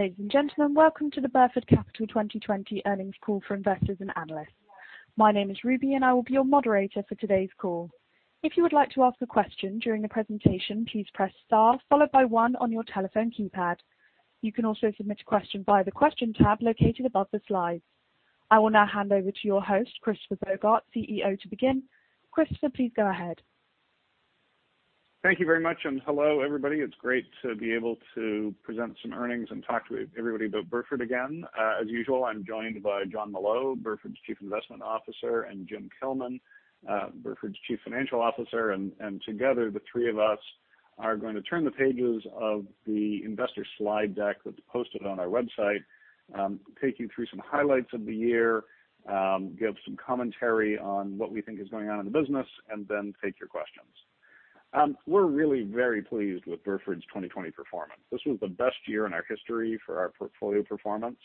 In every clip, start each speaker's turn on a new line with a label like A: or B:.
A: Ladies and gentlemen, welcome to the Burford Capital 2020 earnings call for investors and analysts. My name is Ruby, and I will be your moderator for today's call. If you would like to ask a question during the presentation, please press star followed by one on your telephone keypad. You can also submit questions via the Question tab located above the slide. I will now hand over to your host, Christopher Bogart, CEO, to begin. Christopher, please go ahead.
B: Thank you very much, and hello, everybody. It's great to be able to present some earnings and talk to everybody about Burford again. As usual, I'm joined by Jon Molot, Burford's Chief Investment Officer, and Jim Kilman, Burford's Chief Financial Officer. Together, the three of us are going to turn the pages of the investor slide deck that's posted on our website, take you through some highlights of the year, give some commentary on what we think is going on in the business, and then take your questions. We're really very pleased with Burford's 2020 performance. This was the best year in our history for our portfolio performance,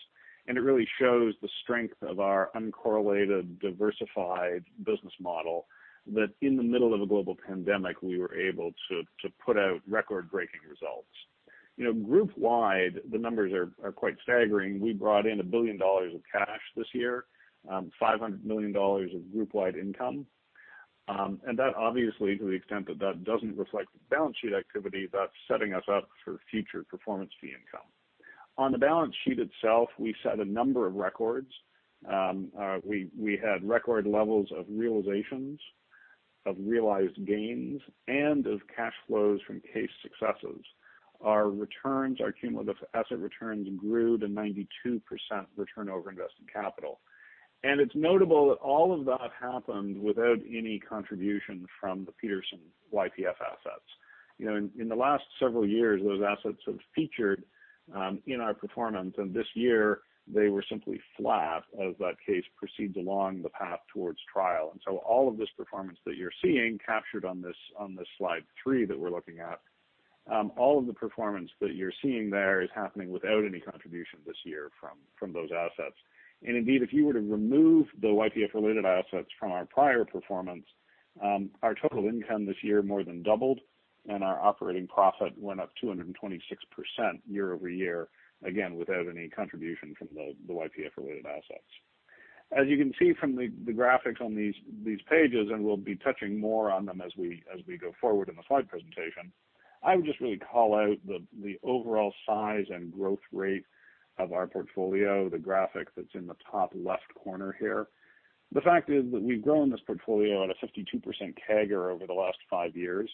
B: and it really shows the strength of our uncorrelated, diversified business model, that in the middle of a global pandemic, we were able to put out record-breaking results. Group-wide, the numbers are quite staggering. We brought in $1 billion of cash this year, $500 million of group-wide income. That obviously, to the extent that that doesn't reflect the balance sheet activity, that's setting us up for future performance fee income. On the balance sheet itself, we set a number of records. We had record levels of realizations, of realized gains, and of cash flows from case successes. Our cumulative asset returns grew to 92% return over invested capital. It's notable that all of that happened without any contribution from the Petersen/YPF assets. In the last several years, those assets have featured in our performance, and this year they were simply flat as that case proceeds along the path towards trial. All of this performance that you're seeing captured on this slide three that we're looking at, all of the performance that you're seeing there is happening without any contribution this year from those assets. Indeed, if you were to remove the YPF-related assets from our prior performance, our total income this year more than doubled, and our operating profit went up 226% year-over-year, again, without any contribution from the YPF-related assets. As you can see from the graphics on these pages, and we'll be touching more on them as we go forward in the slide presentation. I would just really call out the overall size and growth rate of our portfolio, the graphic that's in the top left corner here. The fact is that we've grown this portfolio at a 52% CAGR over the last five years.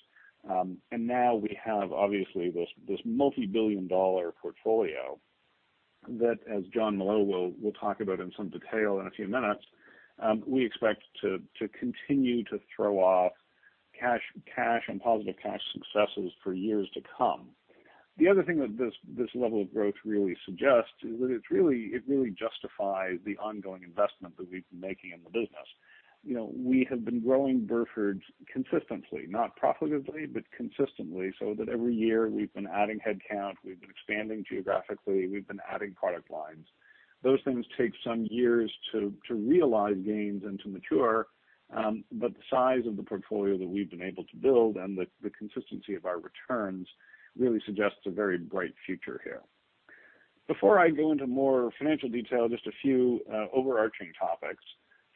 B: Now we have obviously this multibillion-dollar portfolio that, as Jon Molot will talk about in some detail in a few minutes. We expect to continue to throw off cash and positive cash successes for years to come. The other thing that this level of growth really suggests is that it really justifies the ongoing investment that we've been making in the business. We have been growing Burford consistently, not profitably, but consistently, so that every year we've been adding headcount, we've been expanding geographically, we've been adding product lines. Those things take some years to realize gains and to mature. But the size of the portfolio that we've been able to build and the consistency of our returns really suggest a very bright future here. Before I go into more financial detail, just a few overarching topics.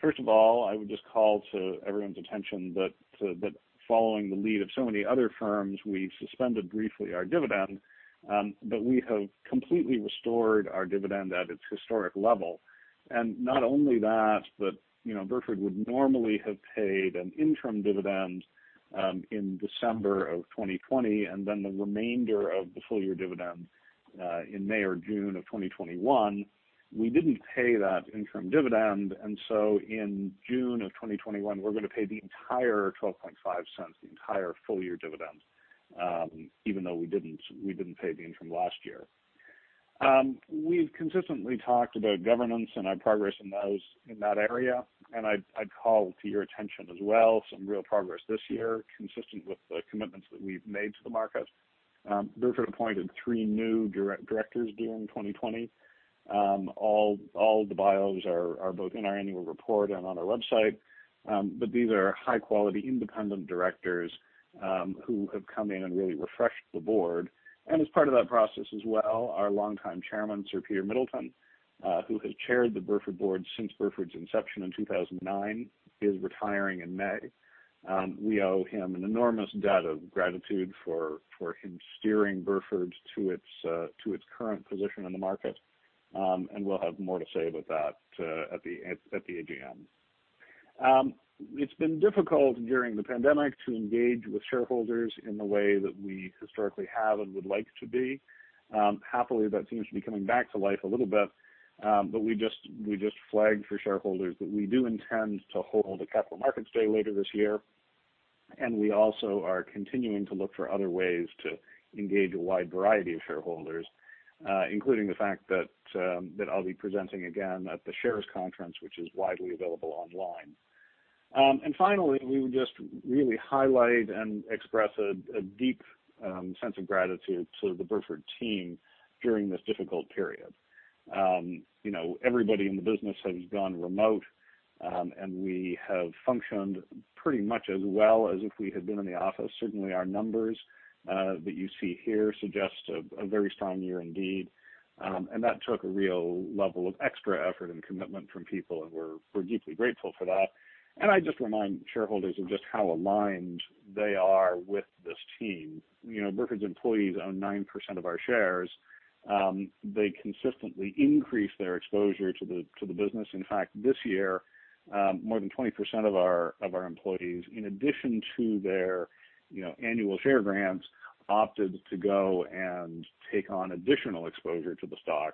B: I would just call to everyone's attention that, following the lead of so many other firms, we've suspended briefly our dividend, but we have completely restored our dividend at its historic level. Not only that, but Burford would normally have paid an interim dividend in December 2020, and then the remainder of the full year dividend in May or June 2021. We didn't pay that interim dividend, and so in June 2021, we're going to pay the entire $0.125, the entire full year dividend, even though we didn't pay the interim last year. We've consistently talked about governance and our progress in that area, and I'd call to your attention as well some real progress this year consistent with the commitments that we've made to the market. Burford appointed three new directors during 2020. All the bios are both in our annual report and on our website. These are high-quality, independent directors who have come in and really refreshed the board. As part of that process as well, our longtime Chairman, Sir Peter Middleton, who has chaired the Burford board since Burford's inception in 2009, is retiring in May. We owe him an enormous debt of gratitude for his steering Burford to its current position in the market. We'll have more to say about that at the AGM. It's been difficult during the pandemic to engage with shareholders in the way that we historically have and would like to be. Happily, that seems to be coming back to life a little bit. We just flagged for shareholders that we do intend to hold a Capital Markets Day later this year, and we also are continuing to look for other ways to engage a wide variety of shareholders, including the fact that I'll be presenting again at the Shares Magazine Investor Evening Webinar, which is widely available online. Finally, we would just really highlight and express a deep sense of gratitude to the Burford team during this difficult period. Everybody in the business has gone remote, and we have functioned pretty much as well as if we had been in the office. Certainly, our numbers that you see here suggest a very strong year indeed, and that took a real level of extra effort and commitment from people, and we're deeply grateful for that. I just remind shareholders of just how aligned they are with this team. Burford's employees own 9% of our shares. They consistently increase their exposure to the business. In fact, this year, more than 20% of our employees, in addition to their annual share grants, opted to go and take on additional exposure to the stock,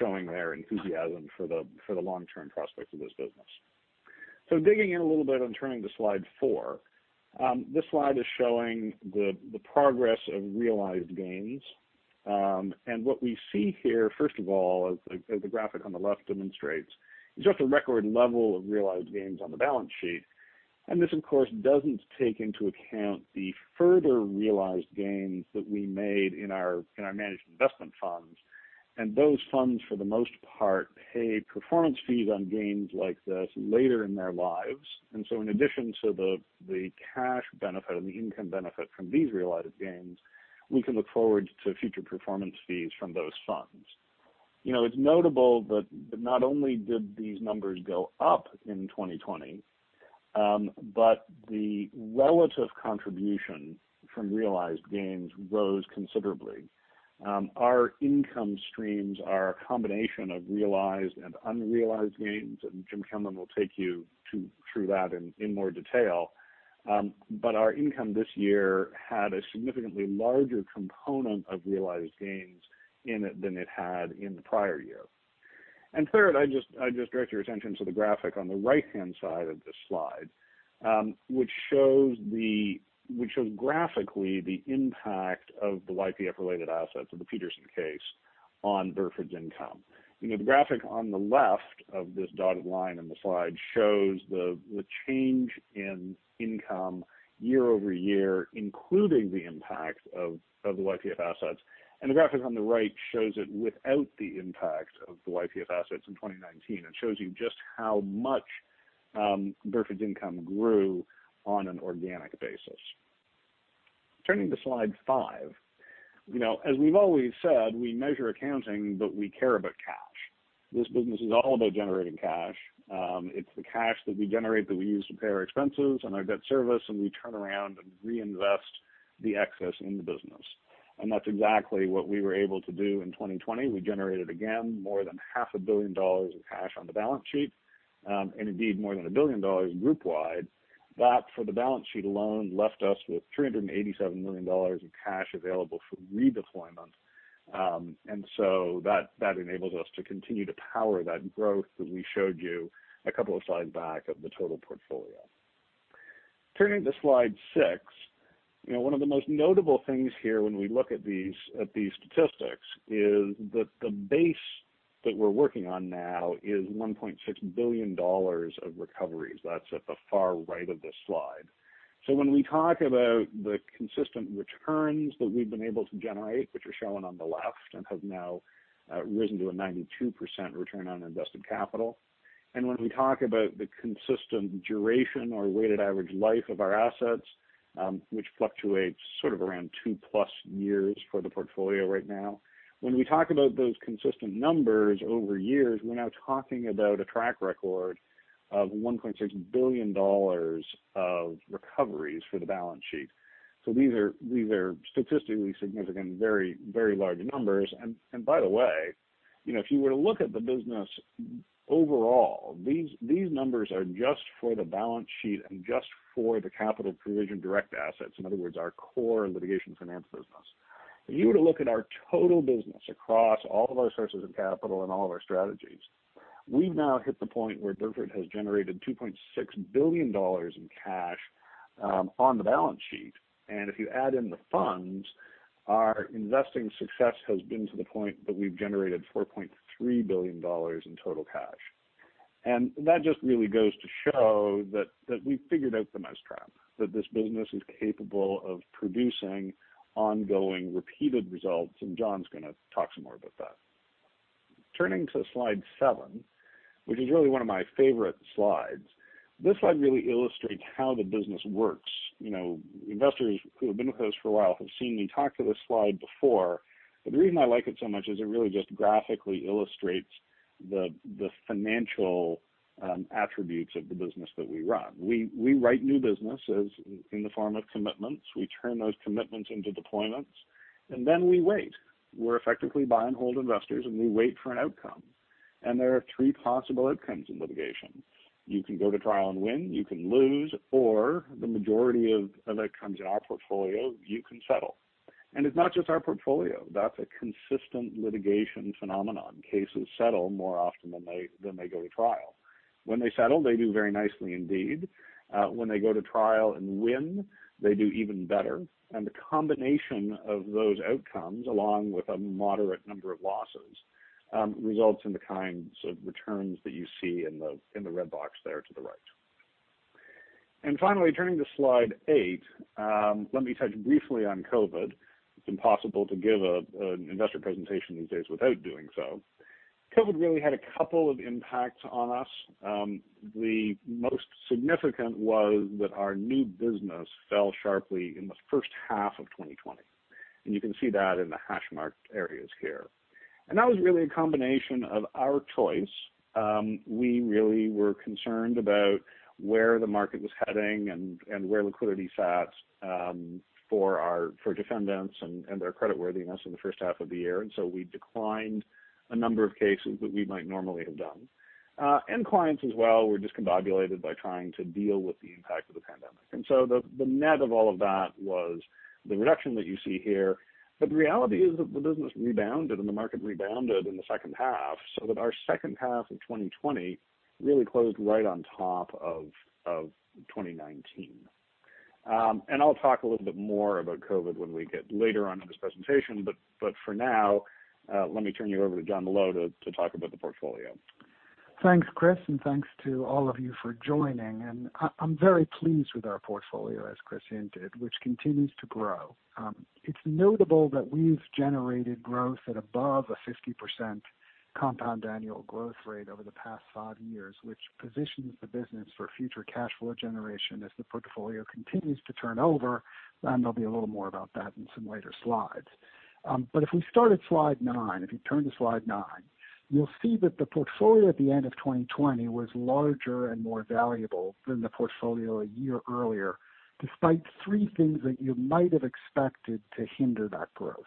B: showing their enthusiasm for the long-term prospects of this business. Digging in a little bit and turning to slide four. This slide is showing the progress of realized gains. What we see here, first of all, as the graphic on the left demonstrates, is just a record level of realized gains on the balance sheet. This, of course, doesn't take into account the further realized gains that we made in our managed investment funds. Those funds, for the most part, pay performance fees on gains like this later in their lives. In addition to the cash benefit and the income benefit from these realized gains, we can look forward to future performance fees from those funds. It's notable that not only did these numbers go up in 2020, but the relative contribution from realized gains rose considerably. Our income streams are a combination of realized and unrealized gains, and Jim Kilman will take you through that in more detail. Our income this year had a significantly larger component of realized gains in it than it had in the prior year. Third, I just direct your attention to the graphic on the right-hand side of this slide, which shows graphically the impact of the YPF-related assets of the Petersen case on Burford's income. The graphic on the left of this dotted line on the slide shows the change in income year-over-year, including the impact of the YPF assets, and the graphic on the right shows it without the impact of the YPF assets in 2019 and shows you just how much Burford's income grew on an organic basis. Turning to slide five. As we've always said, we measure accounting, but we care about cash. This business is all about generating cash. It's the cash that we generate that we use to pay our expenses and our debt service, and we turn around and reinvest the excess in the business. That's exactly what we were able to do in 2020. We generated, again, more than $500 million of cash on the balance sheet, and indeed, more than $1 billion group-wide. That, for the balance sheet alone, left us with $387 million in cash available for redeployment. That enables us to continue to power that growth that we showed you a couple of slides back, of the total portfolio. Turning to slide six. One of the most notable things here, when we look at these statistics, is that the base that we're working on now is $1.6 billion of recoveries. That's at the far right of this slide. When we talk about the consistent returns that we've been able to generate, which are shown on the left and have now risen to a 92% return on invested capital, and when we talk about the consistent duration or weighted average life of our assets, which fluctuates sort of around 2+ years for the portfolio right now. When we talk about those consistent numbers over years, we're now talking about a track record of $1.6 billion of recoveries for the balance sheet. These are statistically significant, very large numbers. By the way, if you were to look at the business overall, these numbers are just for the balance sheet and just for the capital provision-direct assets, in other words, our core litigation finance business. If you were to look at our total business across all of our sources of capital and all of our strategies, we've now hit the point where Burford has generated $2.6 billion in cash on the balance sheet. If you add in the funds, our investing success has been to the point that we've generated $4.3 billion in total cash. That just really goes to show that we've figured out the mousetrap, that this business is capable of producing ongoing, repeated results, and Jon's going to talk some more about that. Turning to slide seven, which is really one of my favorite slides. This slide really illustrates how the business works. Investors who have been with us for a while have seen me talk to this slide before, but the reason I like it so much is it really just graphically illustrates the financial attributes of the business that we run. We write new business in the form of commitments. We turn those commitments into deployments, and then we wait. We're effectively buy-and-hold investors, and we wait for an outcome. There are three possible outcomes in litigation. You can go to trial and win, you can lose, or the majority of outcomes in our portfolio, you can settle. It's not just our portfolio. That's a consistent litigation phenomenon. Cases settle more often than they go to trial. When they settle, they do very nicely indeed. When they go to trial and win, they do even better. The combination of those outcomes, along with a moderate number of losses, results in the kinds of returns that you see in the red box there to the right. Finally, turning to slide eight, let me touch briefly on COVID. It's impossible to give an investor presentation these days without doing so. COVID really had a couple of impacts on us. The most significant was that our new business fell sharply in the first half of 2020, and you can see that in the hash marked areas here. That was really a combination of our choice. We really were concerned about where the market was heading and where liquidity sat for defendants and their credit worthiness in the first half of the year, and so we declined a number of cases that we might normally have done. Clients as well were discombobulated by trying to deal with the impact of the pandemic. So the net of all of that was the reduction that you see here. The reality is that the business rebounded and the market rebounded in the second half, so that our second half of 2020 really closed right on top of 2019. I'll talk a little bit more about COVID when we get later on in this presentation. For now, let me turn you over to Jon Molot to talk about the portfolio.
C: Thanks, Chris. Thanks to all of you for joining. I'm very pleased with our portfolio, as Chris hinted, which continues to grow. It's notable that we've generated growth at above a 50% compound annual growth rate over the past five years, which positions the business for future cash flow generation as the portfolio continues to turn over. There'll be a little more about that in some later slides. If we start at slide nine, if you turn to slide nine, you'll see that the portfolio at the end of 2020 was larger and more valuable than the portfolio a year earlier, despite three things that you might have expected to hinder that growth.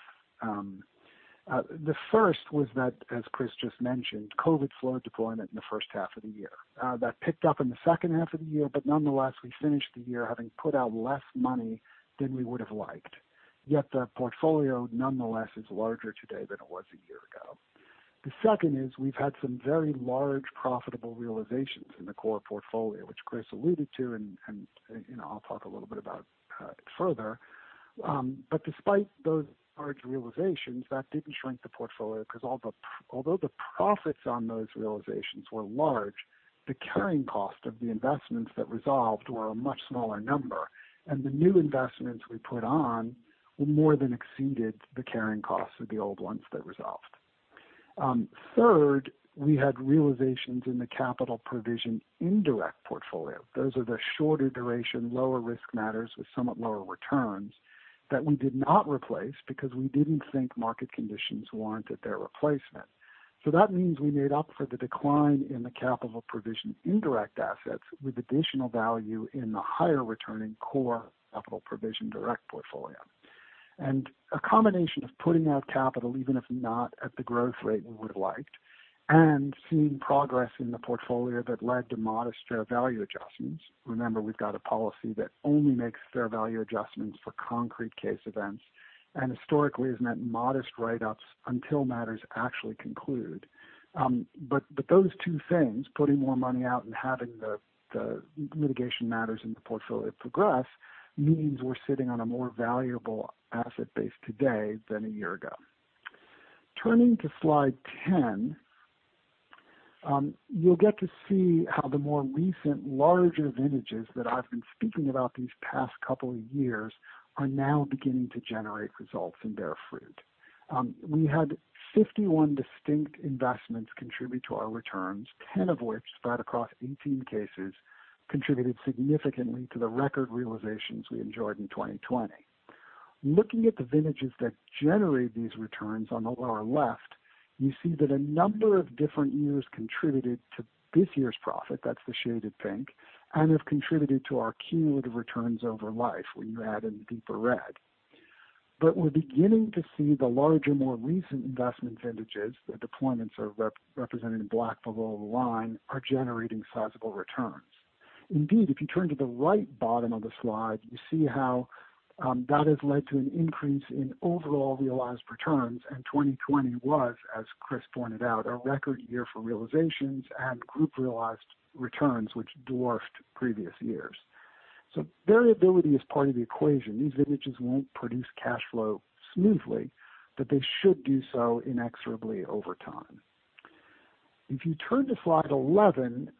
C: The first was that, as Chris just mentioned, COVID slowed deployment in the first half of the year. That picked up in the second half of the year; nonetheless, we finished the year having put out less money than we would have liked. The portfolio, nonetheless, is larger today than it was a year ago. The second is we've had some very large profitable realizations in the core portfolio, which Chris alluded to. I'll talk a little bit about it further. Despite those large realizations, that didn't shrink the portfolio, because although the profits on those realizations were large, the carrying cost of the investments that resolved were a much smaller number. The new investments we put on more than exceeded the carrying cost of the old ones that resolved. Third, we had realizations in the capital provision indirect portfolio. Those are the shorter-duration, lower-risk matters with somewhat lower returns that we did not replace because we didn't think market conditions warranted their replacement. That means we made up for the decline in the capital provision-indirect assets with additional value in the higher-returning core capital provision-direct portfolio. A combination of putting out capital, even if not at the growth rate we would have liked, and seeing progress in the portfolio that led to modest fair value adjustments. Remember, we've got a policy that only makes fair value adjustments for concrete case events, and historically has meant modest write-ups until matters actually conclude. Those two things, putting more money out and having the mitigation matters in the portfolio progress, mean we're sitting on a more valuable asset base today than a year ago. Turning to slide 10, you'll get to see how the more recent, larger vintages that I've been speaking about these past couple of years are now beginning to generate results and bear fruit. We had 51 distinct investments contribute to our returns, 10 of which, spread across 18 cases, contributed significantly to the record realizations we enjoyed in 2020. Looking at the vintages that generate these returns on the lower left, you see that a number of different years contributed to this year's profit, that's the shaded pink, and have contributed to our cumulative returns over life when you add in the deeper red. We're beginning to see the larger, more recent investment vintages, the deployments are represented in black below the line are generating sizable returns. Indeed, if you turn to the right bottom of the slide, you see how that has led to an increase in overall realized returns. 2020 was, as Chris pointed out, our record year for realizations and group realized returns, which dwarfed previous years. Variability is part of the equation. These vintages won't produce cash flow smoothly, but they should do so inexorably over time. If you turn to slide 11,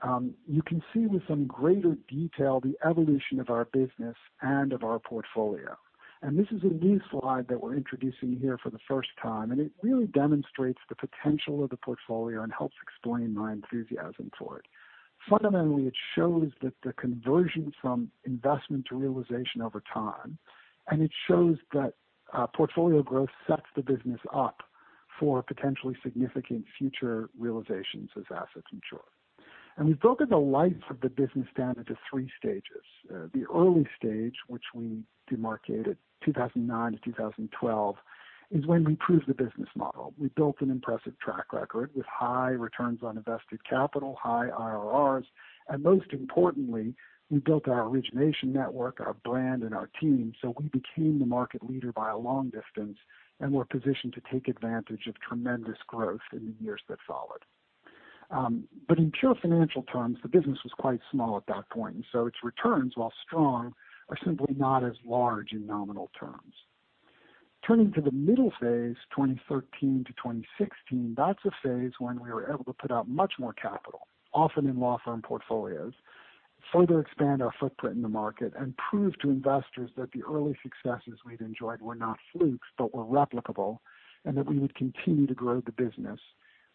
C: you can see with some greater detail the evolution of our business and of our portfolio. This is a new slide that we're introducing here for the first time, and it really demonstrates the potential of the portfolio and helps explain my enthusiasm for it. Fundamentally, it shows that the conversion from investment to realization over time, and it shows that portfolio growth sets the business up for potentially significant future realizations as assets mature. We've broken the life of the business down into three stages. The early stage, which we demarcated 2009-2012, is when we proved the business model. We built an impressive track record with high returns on invested capital, high IRRs, and most importantly, we built our origination network, our brand, and our team, so we became the market leader by a long distance and were positioned to take advantage of tremendous growth in the years that followed. In pure financial terms, the business was quite small at that point, and so its returns, while strong, are simply not as large in nominal terms. Turning to the middle phase, 2013-2016, that's a phase when we were able to put out much more capital, often in law firm portfolios, further expand our footprint in the market, and prove to investors that the early successes we'd enjoyed were not flukes, but were replicable, and that we would continue to grow the business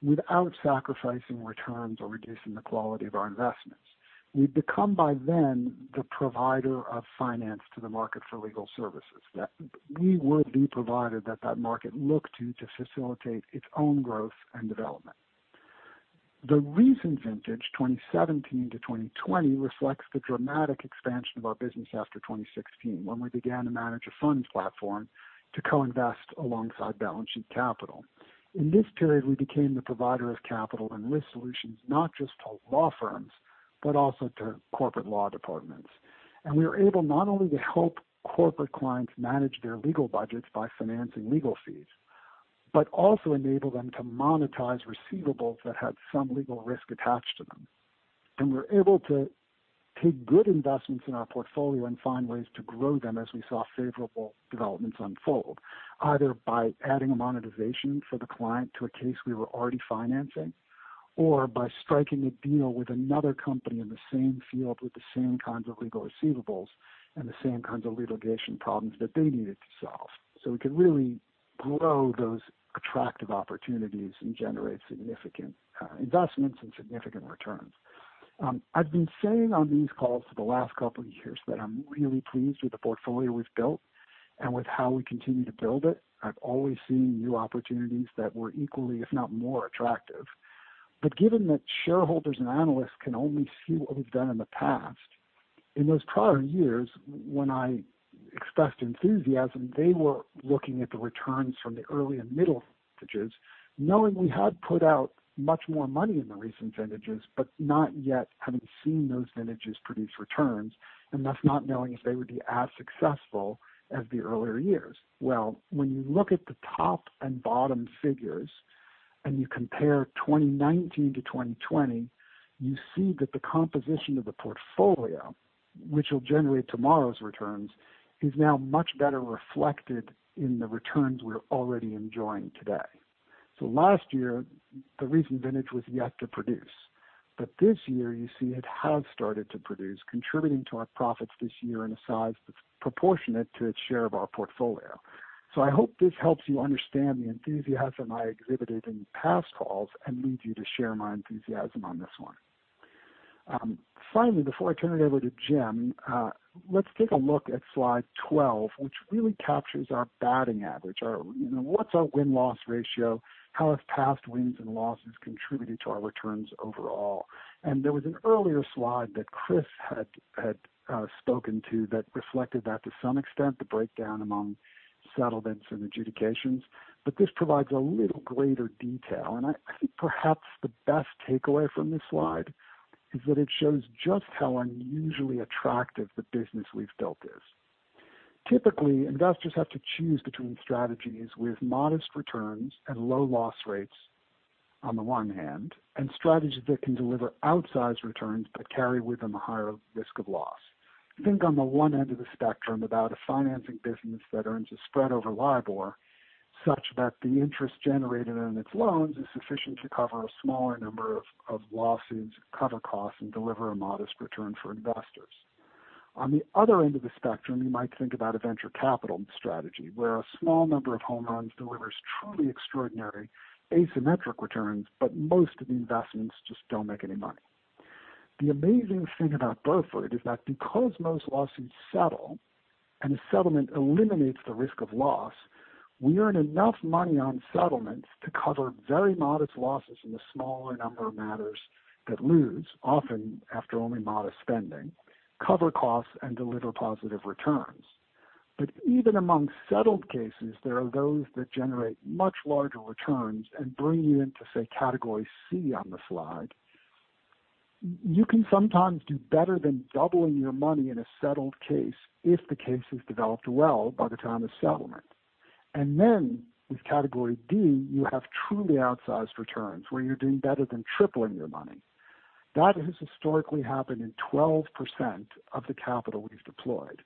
C: without sacrificing returns or reducing the quality of our investments. We'd become, by then, the provider of finance to the market for legal services. That we were the provider that the market looked to facilitate its own growth and development. The recent vintage 2017-2020 reflects the dramatic expansion of our business after 2016, when we began to manage a funds platform to co-invest alongside balance sheet capital. In this period, we became the provider of capital and risk solutions not just to law firms, but also to corporate law departments. We were able not only to help corporate clients manage their legal budgets by financing legal fees, but also enable them to monetize receivables that had some legal risk attached to them. We were able to take good investments in our portfolio and find ways to grow them as we saw favorable developments unfold, either by adding a monetization for the client to a case we were already financing, or by striking a deal with another company in the same field with the same kinds of legal receivables and the same kinds of litigation problems that they needed to solve. We could really grow those attractive opportunities and generate significant investments and significant returns. I've been saying on these calls for the last couple of years that I'm really pleased with the portfolio we've built and with how we continue to build it. I've always seen new opportunities that were equally, if not more, attractive. Given that shareholders and analysts can only see what we've done in the past, in those prior years, when I expressed enthusiasm, they were looking at the returns from the early and middle vintages, knowing we had put out much more money in the recent vintages, not yet having seen those vintages produce returns, and thus not knowing if they would be as successful as the earlier years. Well, when you look at the top and bottom figures, and you compare 2019 to 2020, you see that the composition of the portfolio, which will generate tomorrow's returns, is now much better reflected in the returns we're already enjoying today. Last year, the recent vintage was yet to produce. This year, you see it has started to produce, contributing to our profits this year in a size that's proportionate to its share of our portfolio. I hope this helps you understand the enthusiasm I exhibited in past calls and leads you to share my enthusiasm on this one. Finally, before I turn it over to Jim, let's take a look at slide 12, which really captures our batting average. What's our win-loss ratio? How have past wins and losses contributed to our returns overall? There was an earlier slide that Chris had spoken to that reflected that, to some extent, the breakdown among settlements and adjudications. This provides a little greater detail, and I think perhaps the best takeaway from this slide is that it shows just how unusually attractive the business we've built is. Typically, investors have to choose between strategies with modest returns and low loss rates on the one hand, and strategies that can deliver outsized returns but carry with them a higher risk of loss. Think on the one end of the spectrum about a financing business that earns a spread over LIBOR such that the interest generated on its loans is sufficient to cover a smaller number of lawsuits, cover costs, and deliver a modest return for investors. On the other end of the spectrum, you might think about a venture capital strategy where a small number of home runs delivers truly extraordinary asymmetric returns, but most of the investments just don't make any money. The amazing thing about Burford is that because most lawsuits settle, and a settlement eliminates the risk of loss, we earn enough money on settlements to cover very modest losses in the smaller number of matters that lose, often after only modest spending, cover costs, and deliver positive returns. Even among settled cases, there are those that generate much larger returns and bring you into, say, Category C on the slide. You can sometimes do better than doubling your money in a settled case if the case has developed well by the time of settlement. Then with Category D, you have truly outsized returns where you're doing better than tripling your money. That has historically happened in 12% of the capital we've deployed.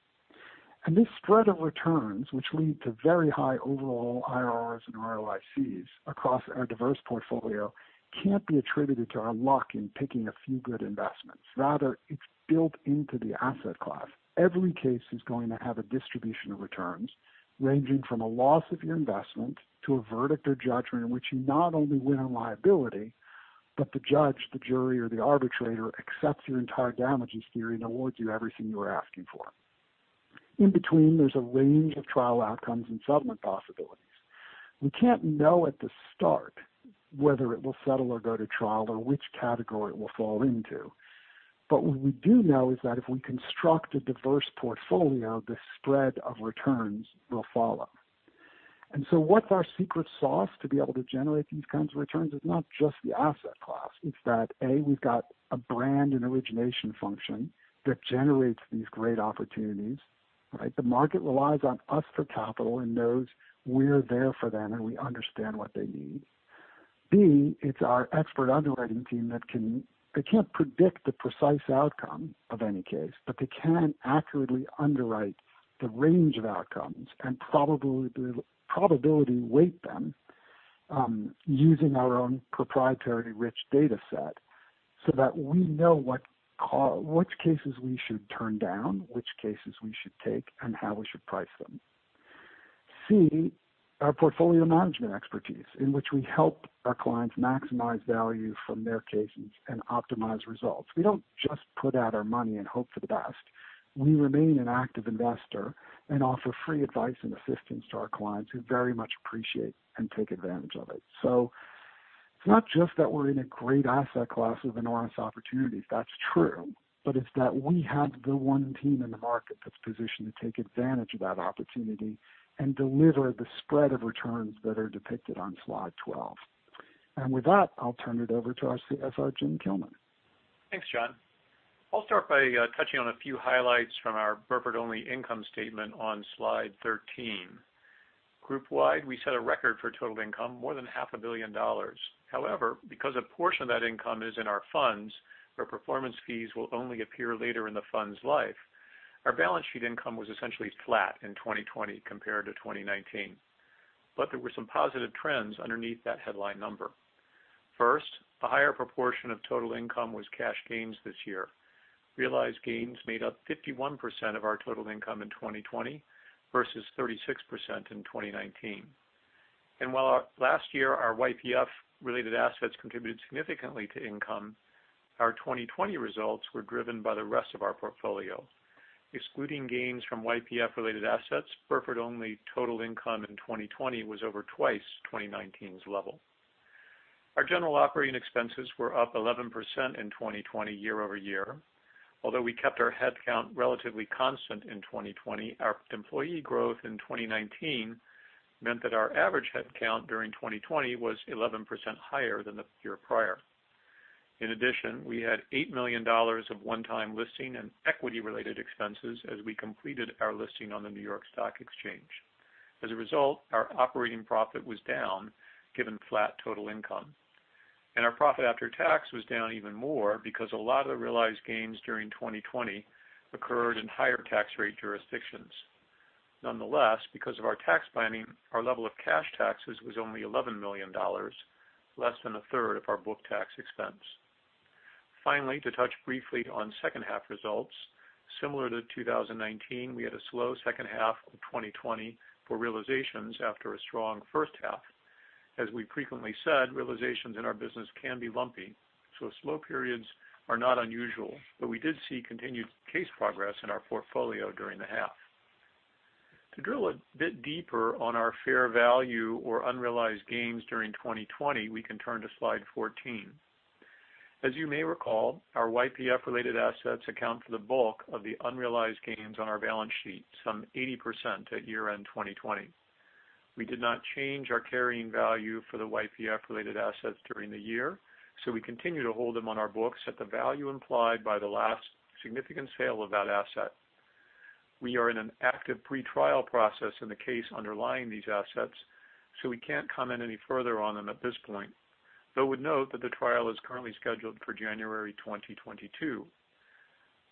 C: This spread of returns, which lead to very high overall IRRs and ROICs across our diverse portfolio, can't be attributed to our luck in picking a few good investments. Rather, it's built into the asset class. Every case is going to have a distribution of returns ranging from a loss of your investment to a verdict or judgment in which you not only win on liability, but the judge, the jury, or the arbitrator accepts your entire damages theory and awards you everything you were asking for. In between, there's a range of trial outcomes and settlement possibilities. We can't know at the start whether it will settle or go to trial, or which category it will fall into. What we do know is that if we construct a diverse portfolio, this spread of returns will follow. What's our secret sauce to be able to generate these kinds of returns? It's not just the asset class. It's that, A, we've got a brand and origination function that generates these great opportunities, right? The market relies on us for capital and knows we're there for them, and we understand what they need. B, it's our expert underwriting team. They can't predict the precise outcome of any case, but they can accurately underwrite the range of outcomes and probability weight them using our own proprietary rich data set so that we know which cases we should turn down, which cases we should take, and how we should price them. C, our portfolio management expertise, in which we help our clients maximize value from their cases and optimize results. We don't just put out our money and hope for the best. We remain an active investor and offer free advice and assistance to our clients, who very much appreciate and take advantage of it. It's not just that we're in a great asset class with enormous opportunities. That's true. It's that we have the one team in the market that's positioned to take advantage of that opportunity and deliver the spread of returns that are depicted on slide 12. With that, I'll turn it over to our CFO, Jim Kilman.
D: Thanks, Jon. I'll start by touching on a few highlights from our Burford-only income statement on slide 13. Group-wide, we set a record for total income, more than $500 million. Because a portion of that income is in our funds, where performance fees will only appear later in the fund's life, our balance sheet income was essentially flat in 2020 compared to 2019. There were some positive trends underneath that headline number. First, a higher proportion of total income was cash gains this year. Realized gains made up 51% of our total income in 2020 versus 36% in 2019. While last year our YPF-related assets contributed significantly to income, our 2020 results were driven by the rest of our portfolio. Excluding gains from YPF-related assets, Burford-only total income in 2020 was over twice 2019's level. Our general operating expenses were up 11% in 2020 year-over-year. Although we kept our head count relatively constant in 2020, our employee growth in 2019 meant that our average head count during 2020 was 11% higher than the year prior. In addition, we had $8 million of one-time listing and equity-related expenses as we completed our listing on the New York Stock Exchange. As a result, our operating profit was down, given flat total income. Our profit after tax was down even more because a lot of the realized gains during 2020 occurred in higher tax rate jurisdictions. Nonetheless, because of our tax planning, our level of cash taxes was only $11 million, less than 1/3 of our book tax expense. Finally, to touch briefly on second half results, similar to 2019, we had a slow second half of 2020 for realizations after a strong first half. As we frequently said, realizations in our business can be lumpy, slow periods are not unusual, but we did see continued case progress in our portfolio during the half. To drill a bit deeper on our fair value or unrealized gains during 2020, we can turn to slide 14. As you may recall, our YPF-related assets account for the bulk of the unrealized gains on our balance sheet, som;e 80% at year-end 2020. We did not change our carrying value for the YPF-related assets during the year, we continue to hold them on our books at the value implied by the last significant sale of that asset. We are in an active pretrial process in the case underlying these assets, so we can't comment any further on them at this point, though would note that the trial is currently scheduled for January 2022.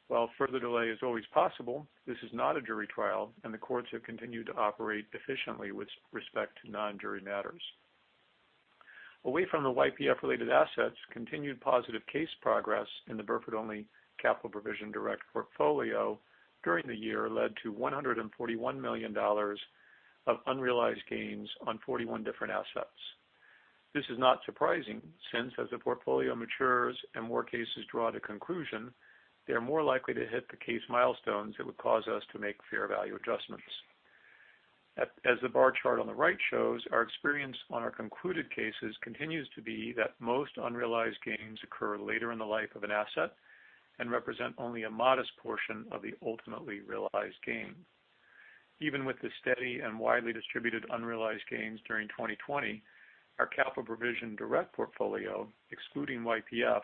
D: While further delay is always possible, this is not a jury trial, and the courts have continued to operate efficiently with respect to non-jury matters. Away from the YPF-related assets, continued positive case progress in the Burford-only capital provision-direct portfolio during the year led to $141 million of unrealized gains on 41 different assets. This is not surprising since, as the portfolio matures and more cases draw to conclusion, they're more likely to hit the case milestones that would cause us to make fair value adjustments. As the bar chart on the right shows, our experience on our concluded cases continues to be that most unrealized gains occur later in the life of an asset and represent only a modest portion of the ultimately realized gain. Even with the steady and widely distributed unrealized gains during 2020, our capital provision direct portfolio, excluding YPF,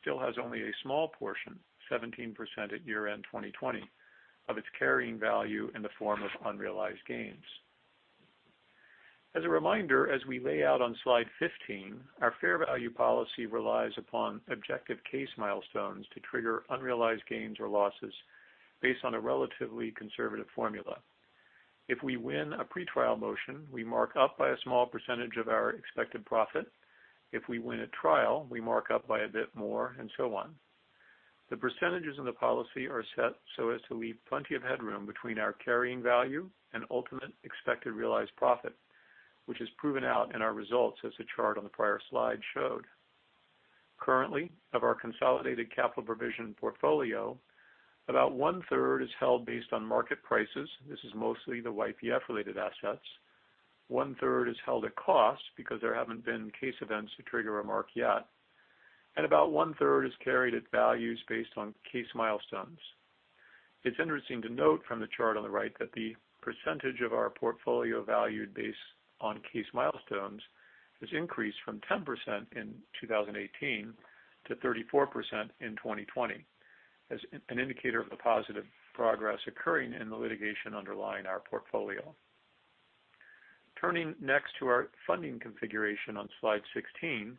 D: still has only a small portion, 17% at year-end 2020, of its carrying value in the form of unrealized gains. As a reminder, as we lay out on slide 15, our fair value policy relies upon objective case milestones to trigger unrealized gains or losses based on a relatively conservative formula. If we win a pretrial motion, we mark up by a small percentage of our expected profit. If we win a trial, we mark up by a bit more, and so on. The percentages in the policy are set so as to leave plenty of headroom between our carrying value and ultimate expected realized profit, which is proven out in our results, as the chart on the prior slide showed. Currently, of our consolidated capital provision portfolio, about 1/3 is held based on market prices. This is mostly the YPF-related assets. 1/3 is held at cost because there haven't been case events to trigger a mark yet. About 1/3 is carried at values based on case milestones. It's interesting to note from the chart on the right that the percentage of our portfolio valued based on case milestones has increased from 10% in 2018 to 34% in 2020. As an indicator of the positive progress occurring in the litigation underlying our portfolio. Turning next to our funding configuration on slide 16,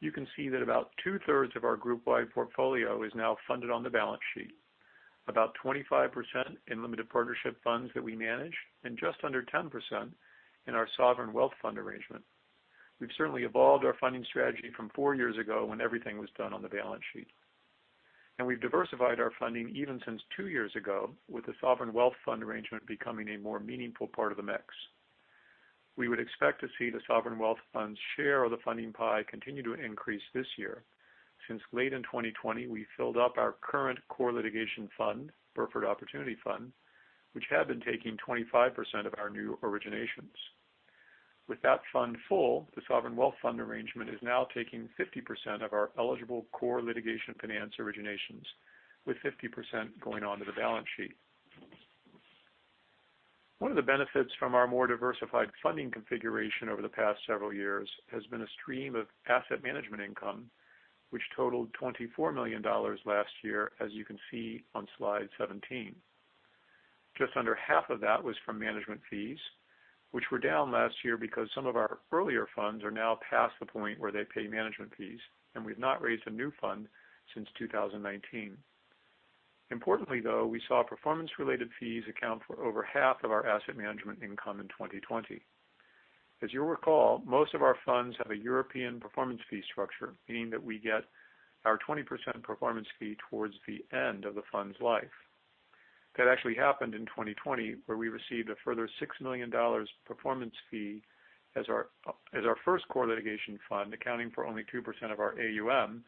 D: you can see that about 66.7% of our group-wide portfolio is now funded on the balance sheet, about 25% in limited partnership funds that we manage, and just under 10% in our sovereign wealth fund arrangement. We've certainly evolved our funding strategy from four years ago, when everything was done on the balance sheet. We've diversified our funding even since two years ago, with the sovereign wealth fund arrangement becoming a more meaningful part of the mix. We would expect to see the sovereign wealth fund's share of the funding pie continue to increase this year. Since late in 2020, we filled up our current core litigation fund, Burford Opportunity Fund, which had been taking 25% of our new originations. With that fund full, the sovereign wealth fund arrangement is now taking 50% of our eligible core litigation finance originations, with 50% going onto the balance sheet. One of the benefits from our more diversified funding configuration over the past several years has been a stream of asset management income, which totaled $24 million last year, as you can see on slide 17. Just under $12 million of that was from management fees, which were down last year because some of our earlier funds are now past the point where they pay management fees, and we've not raised a new fund since 2019. Importantly, though, we saw performance-related fees account for over 50% of our asset management income in 2020. As you'll recall, most of our funds have a European performance fee structure, meaning that we get our 20% performance fee towards the end of the fund's life. That actually happened in 2020, where we received a further $6 million performance fee as our first core litigation fund, accounting for only 2% of our AUM,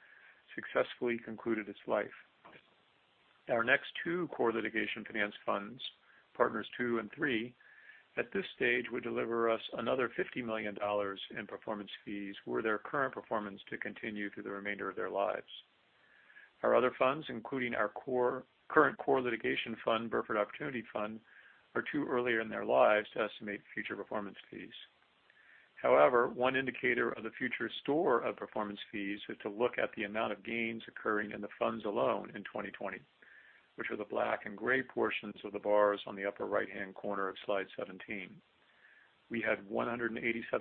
D: successfully concluded its life. Our next two core litigation finance funds, Partners II and III, at this stage would deliver us another $50 million in performance fees were their current performance to continue through the remainder of their lives. Our other funds, including our current core litigation fund, Burford Opportunity Fund, are too early in their lives to estimate future performance fees. However, one indicator of the future store of performance fees is to look at the amount of gains occurring in the funds alone in 2020, which are the black and gray portions of the bars on the upper right-hand corner of slide 17. We had $187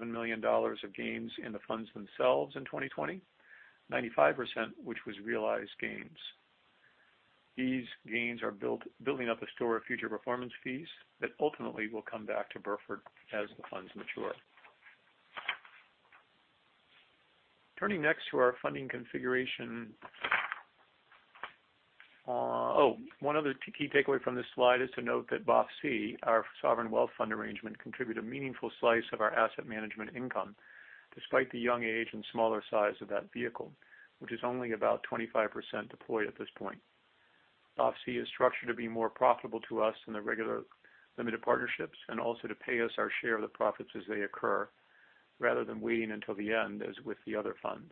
D: million of gains in the funds themselves in 2020, 95% which was realized gains. These gains are building up a store of future performance fees that ultimately will come back to Burford as the funds mature. Turning next to our funding configuration. Oh, one other key takeaway from this slide is to note that BOF-C, our sovereign wealth fund arrangement, contributes a meaningful slice of our asset management income, despite the young age and smaller size of that vehicle, which is only about 25% deployed at this point. BOF-C is structured to be more profitable to us than the regular limited partnerships, and also to pay us our share of the profits as they occur, rather than waiting until the end, as with the other funds.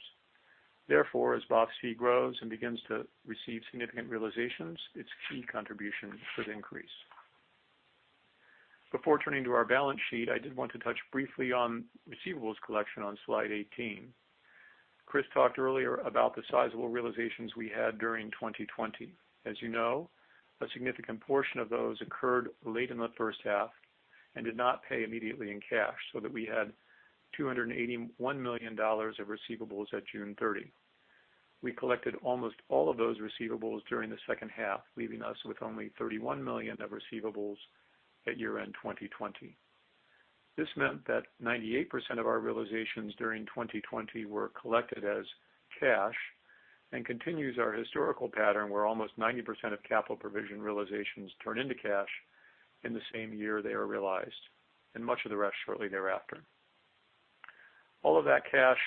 D: Therefore, as BOF-C grows and begins to receive significant realizations, its key contribution should increase. Before turning to our balance sheet, I did want to touch briefly on receivables collection on slide 18. Chris talked earlier about the sizable realizations we had during 2020. As you know, a significant portion of those occurred late in the first half and did not pay immediately in cash, so that we had $281 million of receivables at June 30. We collected almost all of those receivables during the second half, leaving us with only $31 million of receivables at year-end 2020. This meant that 98% of our realizations during 2020 were collected as cash and continues our historical pattern where almost 90% of capital provision realizations turn into cash in the same year they are realized, and much of the rest shortly thereafter. All of that cash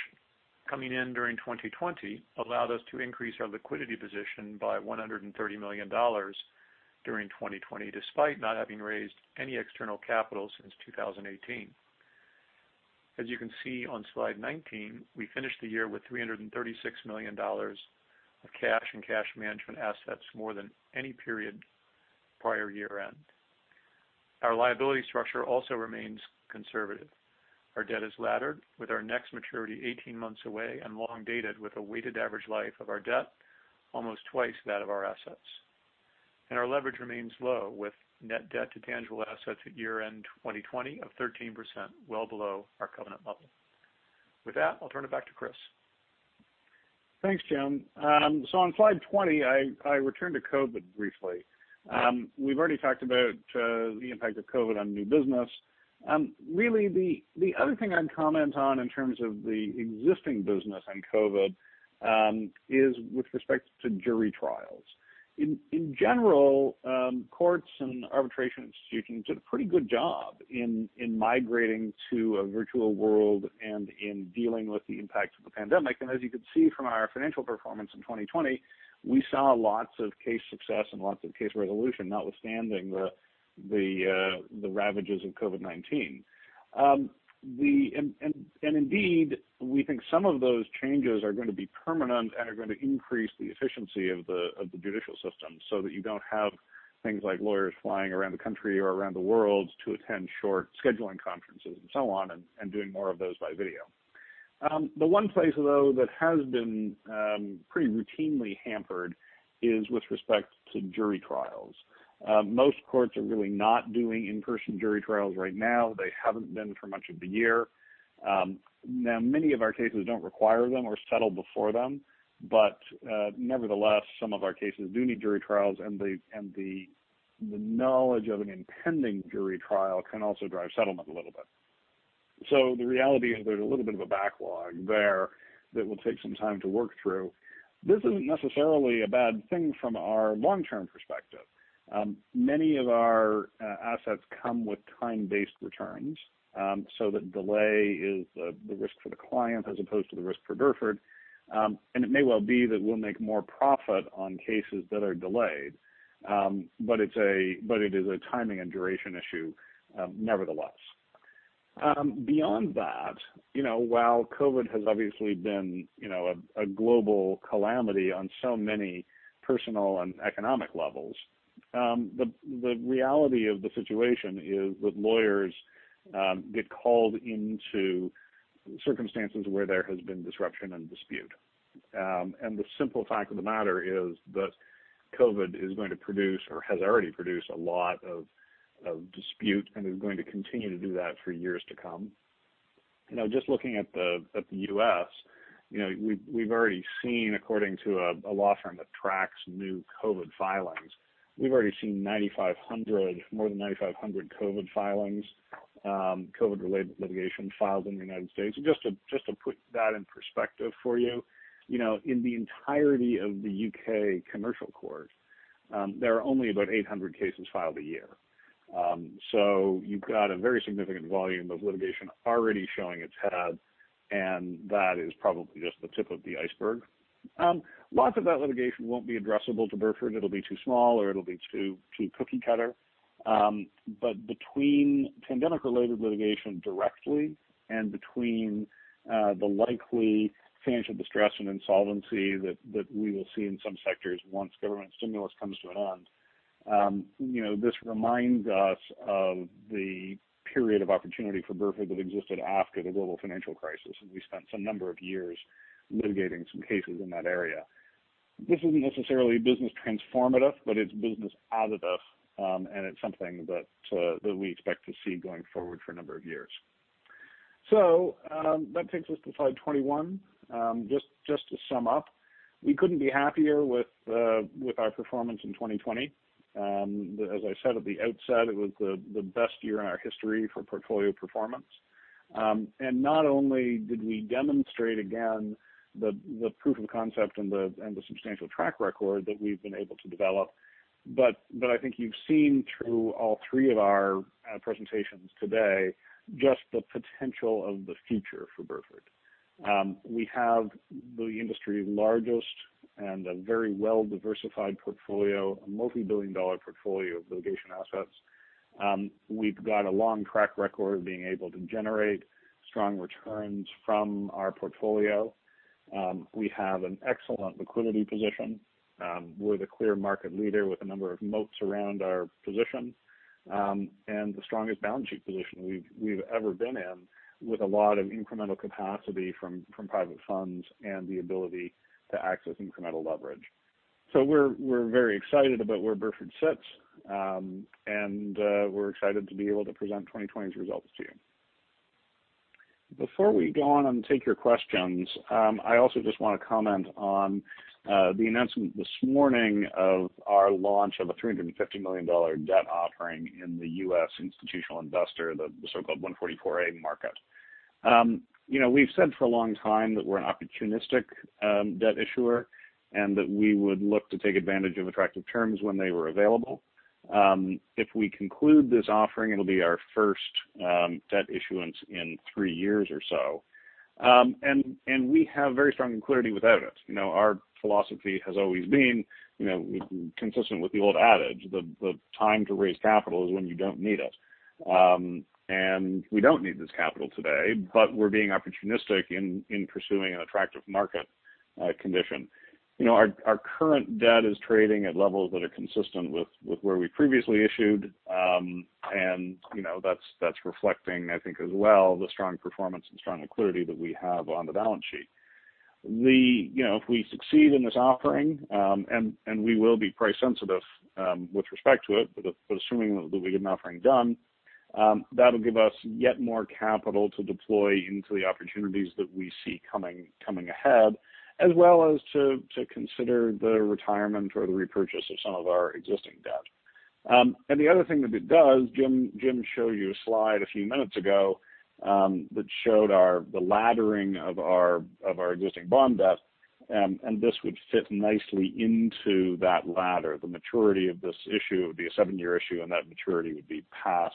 D: coming in during 2020 allowed us to increase our liquidity position by $130 million during 2020, despite not having raised any external capital since 2018. As you can see on slide 19, we finished the year with $336 million of cash and cash management assets, more than any period prior year-end. Our liability structure also remains conservative. Our debt is laddered, with our next maturity 18 months away and long-dated, with a weighted average life of our debt almost twice that of our assets. Our leverage remains low, with net debt to tangible assets at year-end 2020 of 13%, well below our covenant level. With that, I'll turn it back to Chris.
B: Thanks, Jim. On slide 20, I return to COVID briefly. We've already talked about the impact of COVID on new business. Really, the other thing I'd comment on in terms of the existing business and COVID is with respect to jury trials. In general, courts and arbitration institutions did a pretty good job in migrating to a virtual world and in dealing with the impact of the pandemic. As you can see from our financial performance in 2020, we saw lots of case success and lots of case resolution, notwithstanding the ravages of COVID-19. Indeed, we think some of those changes are going to be permanent and are going to increase the efficiency of the judicial system so that you don't have things like lawyers flying around the country or around the world to attend short scheduling conferences and so on, and doing more of those by video. The one place, though that has been pretty routinely hampered is with respect to jury trials. Most courts are really not doing in-person jury trials right now. They haven't been for much of the year. Now, many of our cases don't require them or settle before them, but nevertheless, some of our cases do need jury trials, and the knowledge of an impending jury trial can also drive settlement a little bit. The reality is there's a little bit of a backlog there that will take some time to work through. This isn't necessarily a bad thing from our long-term perspective. Many of our assets come with time-based returns; the delay is the risk for the client as opposed to the risk for Burford. It may well be that we'll make more profit on cases that are delayed; it is a timing and duration issue, nevertheless. Beyond that, while COVID has obviously been a global calamity on so many personal and economic levels, the reality of the situation is that lawyers get called into circumstances where there has been disruption and dispute. The simple fact of the matter is that COVID is going to produce or has already produced a lot of disputes and is going to continue to do that for years to come. Just looking at the U.S., we've already seen, according to a law firm that tracks new COVID filings, we've already seen more than 9,500 COVID filings, COVID-related litigation filings filed in the United States. Just to put that in perspective for you, in the entirety of the U.K. Commercial Court, there are only about 800 cases filed a year. You've got a very significant volume of litigation already showing its head, and that is probably just the tip of the iceberg. Lots of that litigation won't be addressable to Burford. It'll be too small, or it'll be too cookie-cutter. Between pandemic-related litigation directly and between the likely financial distress and insolvency that we will see in some sectors once government stimulus comes to an end, this reminds us of the period of opportunity for Burford that existed after the global financial crisis, and we spent some number of years litigating some cases in that area. This isn't necessarily business transformative, but it's business additive, and it's something that we expect to see going forward for a number of years. That takes us to slide 21. Just to sum up, we couldn't be happier with our performance in 2020. As I said at the outset, it was the best year in our history for portfolio performance. Not only did we demonstrate again the proof of concept and the substantial track record that we've been able to develop, but I think you've seen through all three of our presentations today just the potential of the future for Burford. We have the industry's largest and a very well-diversified portfolio, a multi-billion dollar portfolio of litigation assets. We've got a long track record of being able to generate strong returns from our portfolio. We have an excellent liquidity position. We're the clear market leader with a number of moats around our position, and the strongest balance sheet position we've ever been in, with a lot of incremental capacity from private funds and the ability to access incremental leverage. We're very excited about where Burford sits, and we're excited to be able to present 2020's results to you. Before we go on and take your questions, I also just want to comment on the announcement this morning of our launch of a $350 million debt offering in the U.S. institutional investor, the so-called SEC Rule 144A market. We've said for a long time that we're an opportunistic debt issuer and that we would look to take advantage of attractive terms when they were available. If we conclude this offering, it'll be our first debt issuance in three years or so. We have very strong liquidity without it. Our philosophy has always been consistent with the old adage, the time to raise capital is when you don't need it. We don't need this capital today, but we're being opportunistic in pursuing an attractive market condition. Our current debt is trading at levels that are consistent with where we previously issued. That's reflecting, I think, as well, the strong performance and strong liquidity that we have on the balance sheet. If we succeed in this offering, and we will be price sensitive with respect to it, but assuming that we get an offering done, that'll give us yet more capital to deploy into the opportunities that we see coming ahead, as well as to consider the retirement or the repurchase of some of our existing debt. The other thing that it does, Jim showed you a slide a few minutes ago that showed the laddering of our existing bond debt, and this would fit nicely into that ladder. The maturity of this issue, it would be a seven-year issue, and that maturity would be past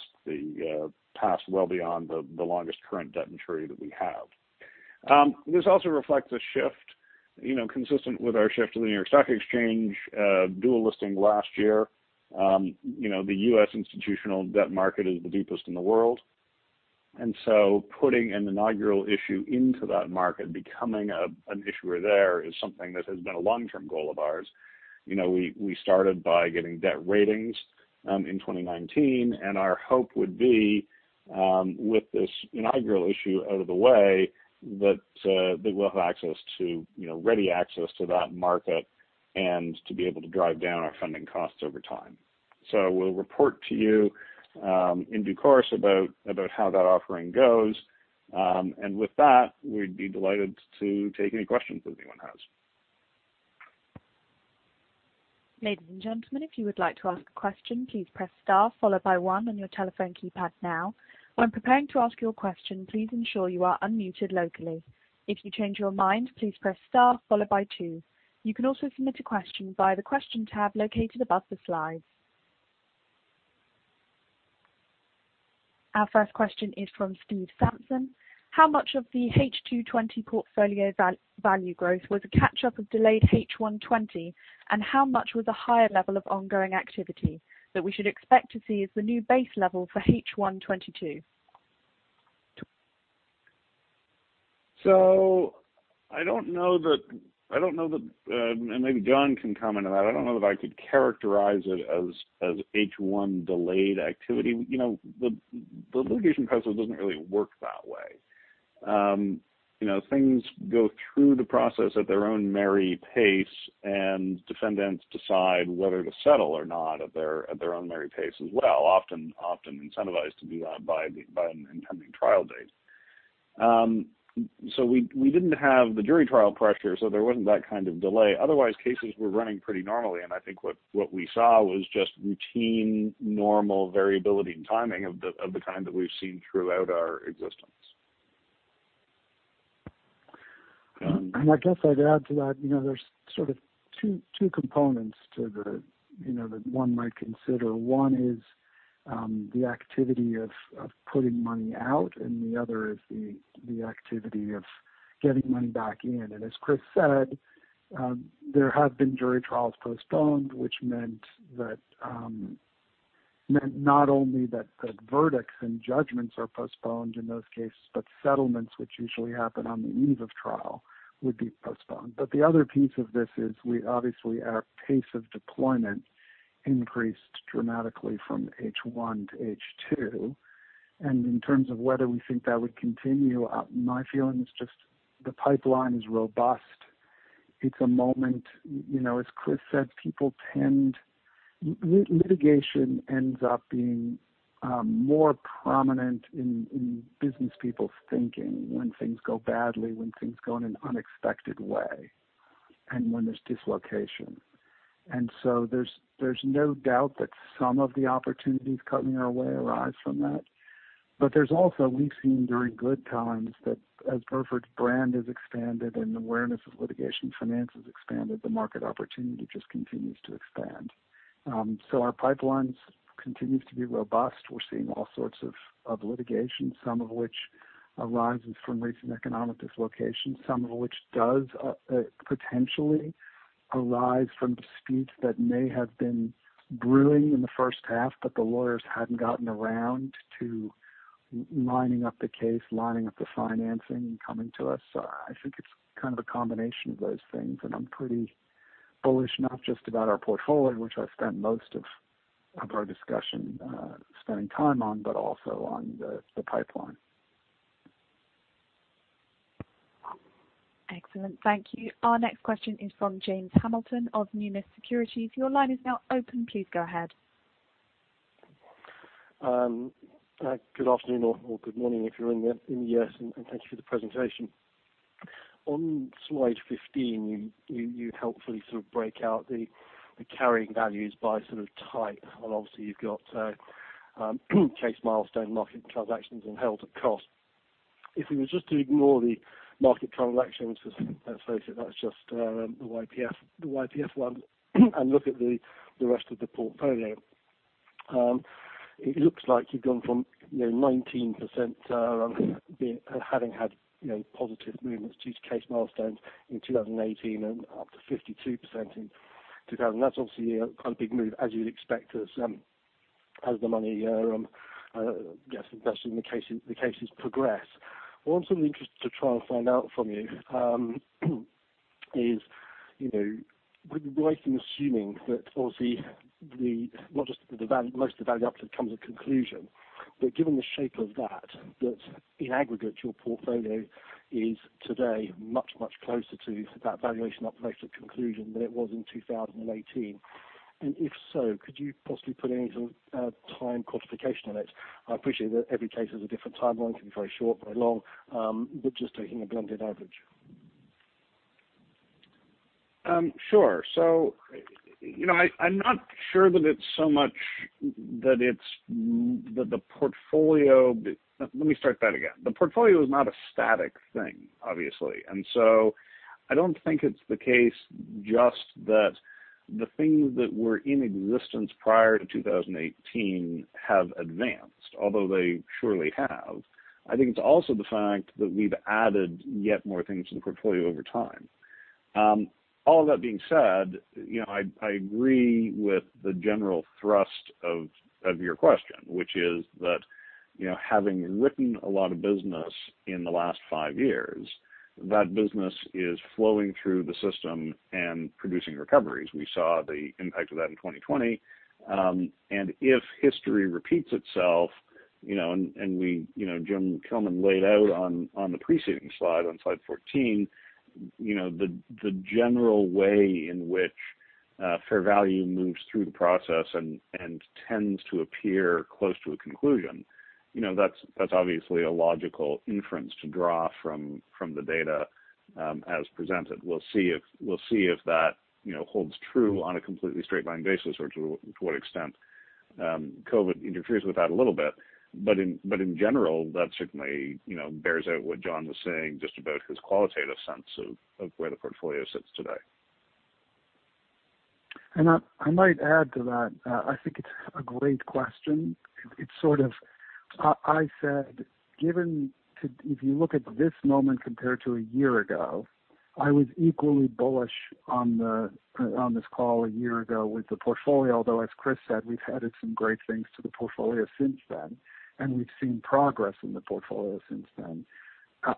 B: well beyond the longest current debt maturity that we have. This also reflects a shift consistent with our shift to the New York Stock Exchange dual listing last year. The U.S. institutional debt market is the deepest in the world. Putting an inaugural issue into that market, becoming an issuer there, is something that has been a long-term goal of ours. We started by getting debt ratings in 2019, and our hope would be, with this inaugural issue out of the way, that we'll have ready access to that market and to be able to drive down our funding costs over time. We'll report to you in due course about how that offering goes. With that, we'd be delighted to take any questions that anyone has.
A: Ladies and gentlemen, if you would like to ask a question, please press star followed by one on your telephone keypad. Now, when preparing to ask your question, please ensure your are unmuted locally. If you change your mind, please press star followed by two. You can also submit a question via the Question tab located above the slide. Our first question is from Steve Sampson. How much of the H2 2020 portfolio value growth was a catch-up of delayed H1 2020, and how much was a higher level of ongoing activity that we should expect to see as the new base level for H1 2022?
B: I don't know that, and maybe Jon can comment on that. I don't know that I could characterize it as H1 delayed activity. The litigation process doesn't really work that way. Things go through the process at their own merry pace, and defendants decide whether to settle or not at their own merry pace as well, often incentivized to do that by an impending trial date. We didn't have the jury trial pressure, so there wasn't that kind of delay. Otherwise, cases were running pretty normally, and I think what we saw was just routine, normal variability in timing of the kind that we've seen throughout our existence.
C: I guess I'd add to that, there's sort of two components that one might consider. One is the activity of putting money out, and the other is the activity of getting money back in. As Chris said, there have been jury trials postponed, which meant not only that the verdicts and judgments are postponed in those cases, but settlements, which usually happen on the eve of trial, would be postponed. The other piece of this is obviously our pace of deployment increased dramatically from H1 to H2. In terms of whether we think that would continue, my feeling is just the pipeline is robust. It's a moment, as Chris said, litigation ends up being more prominent in business people's thinking when things go badly, when things go in an unexpected way, and when there's dislocation. There's no doubt that some of the opportunities coming our way arise from that. There's also, we've seen during good times that as Burford's brand has expanded and awareness of litigation finance has expanded, the market opportunity just continues to expand. Our pipelines continue to be robust. We're seeing all sorts of litigation, some of which arises from recent economic dislocation, some of which does potentially arise from disputes that may have been brewing in the first half, but the lawyers hadn't gotten around to lining up the case, lining up the financing, and coming to us. I think it's kind of a combination of those things, and I'm pretty bullish, not just about our portfolio, which I spent most of our discussion spending time on, but also on the pipeline.
A: Excellent. Thank you. Our next question is from James Hamilton of Numis Securities. Your line is now open. Please go ahead.
E: Good afternoon or good morning if you're in the U.S., thank you for the presentation. On slide 15, you helpfully sort of break out the carrying values by sort of type. Obviously, you've got case milestone, market transactions, and held at cost. If we were just to ignore the market transactions, let's face it, that's just the YPF one, and look at the rest of the portfolio. It looks like you've gone from 19% having had positive movements due to case milestones in 2018, and up to 52% in 2020. That's obviously a kind of big move, as you'd expect, as the money gets invested and the cases progress. What I'm sort of interested to try and find out from you is, would we be right in assuming that obviously, most of the value upside comes at conclusion, but given the shape of that in aggregate, your portfolio is today much, much closer to that valuation uplift at conclusion than it was in 2018. If so, could you possibly put any sort of time quantification on it? I appreciate that every case has a different timeline, can be very short, very long, but just taking a blended average?
B: Sure. I'm not sure that it's so much that the portfolio is not a static thing, obviously. I don't think it's the case, just that the things that were in existence prior to 2018 have advanced, although they surely have. I think it's also the fact that we've added yet more things to the portfolio over time. All that being said, I agree with the general thrust of your question, which is that. Having written a lot of business in the last five years, that business is flowing through the system and producing recoveries. We saw the impact of that in 2020. If history repeats itself, and Jim Kilman laid out on the preceding slide, on slide 14, the general way in which fair value moves through the process and tends to appear close to a conclusion. That's obviously a logical inference to draw from the data, as presented. We'll see if that holds true on a completely straight line basis or to what extent COVID interferes with that a little bit. In general, that certainly bears out what Jon was saying just about his qualitative sense of where the portfolio sits today.
C: I might add to that. I think it's a great question. If you look at this moment compared to a year ago, I was equally bullish on this call a year ago with the portfolio, although, as Chris said, we've added some great things to the portfolio since then, and we've seen progress in the portfolio since then.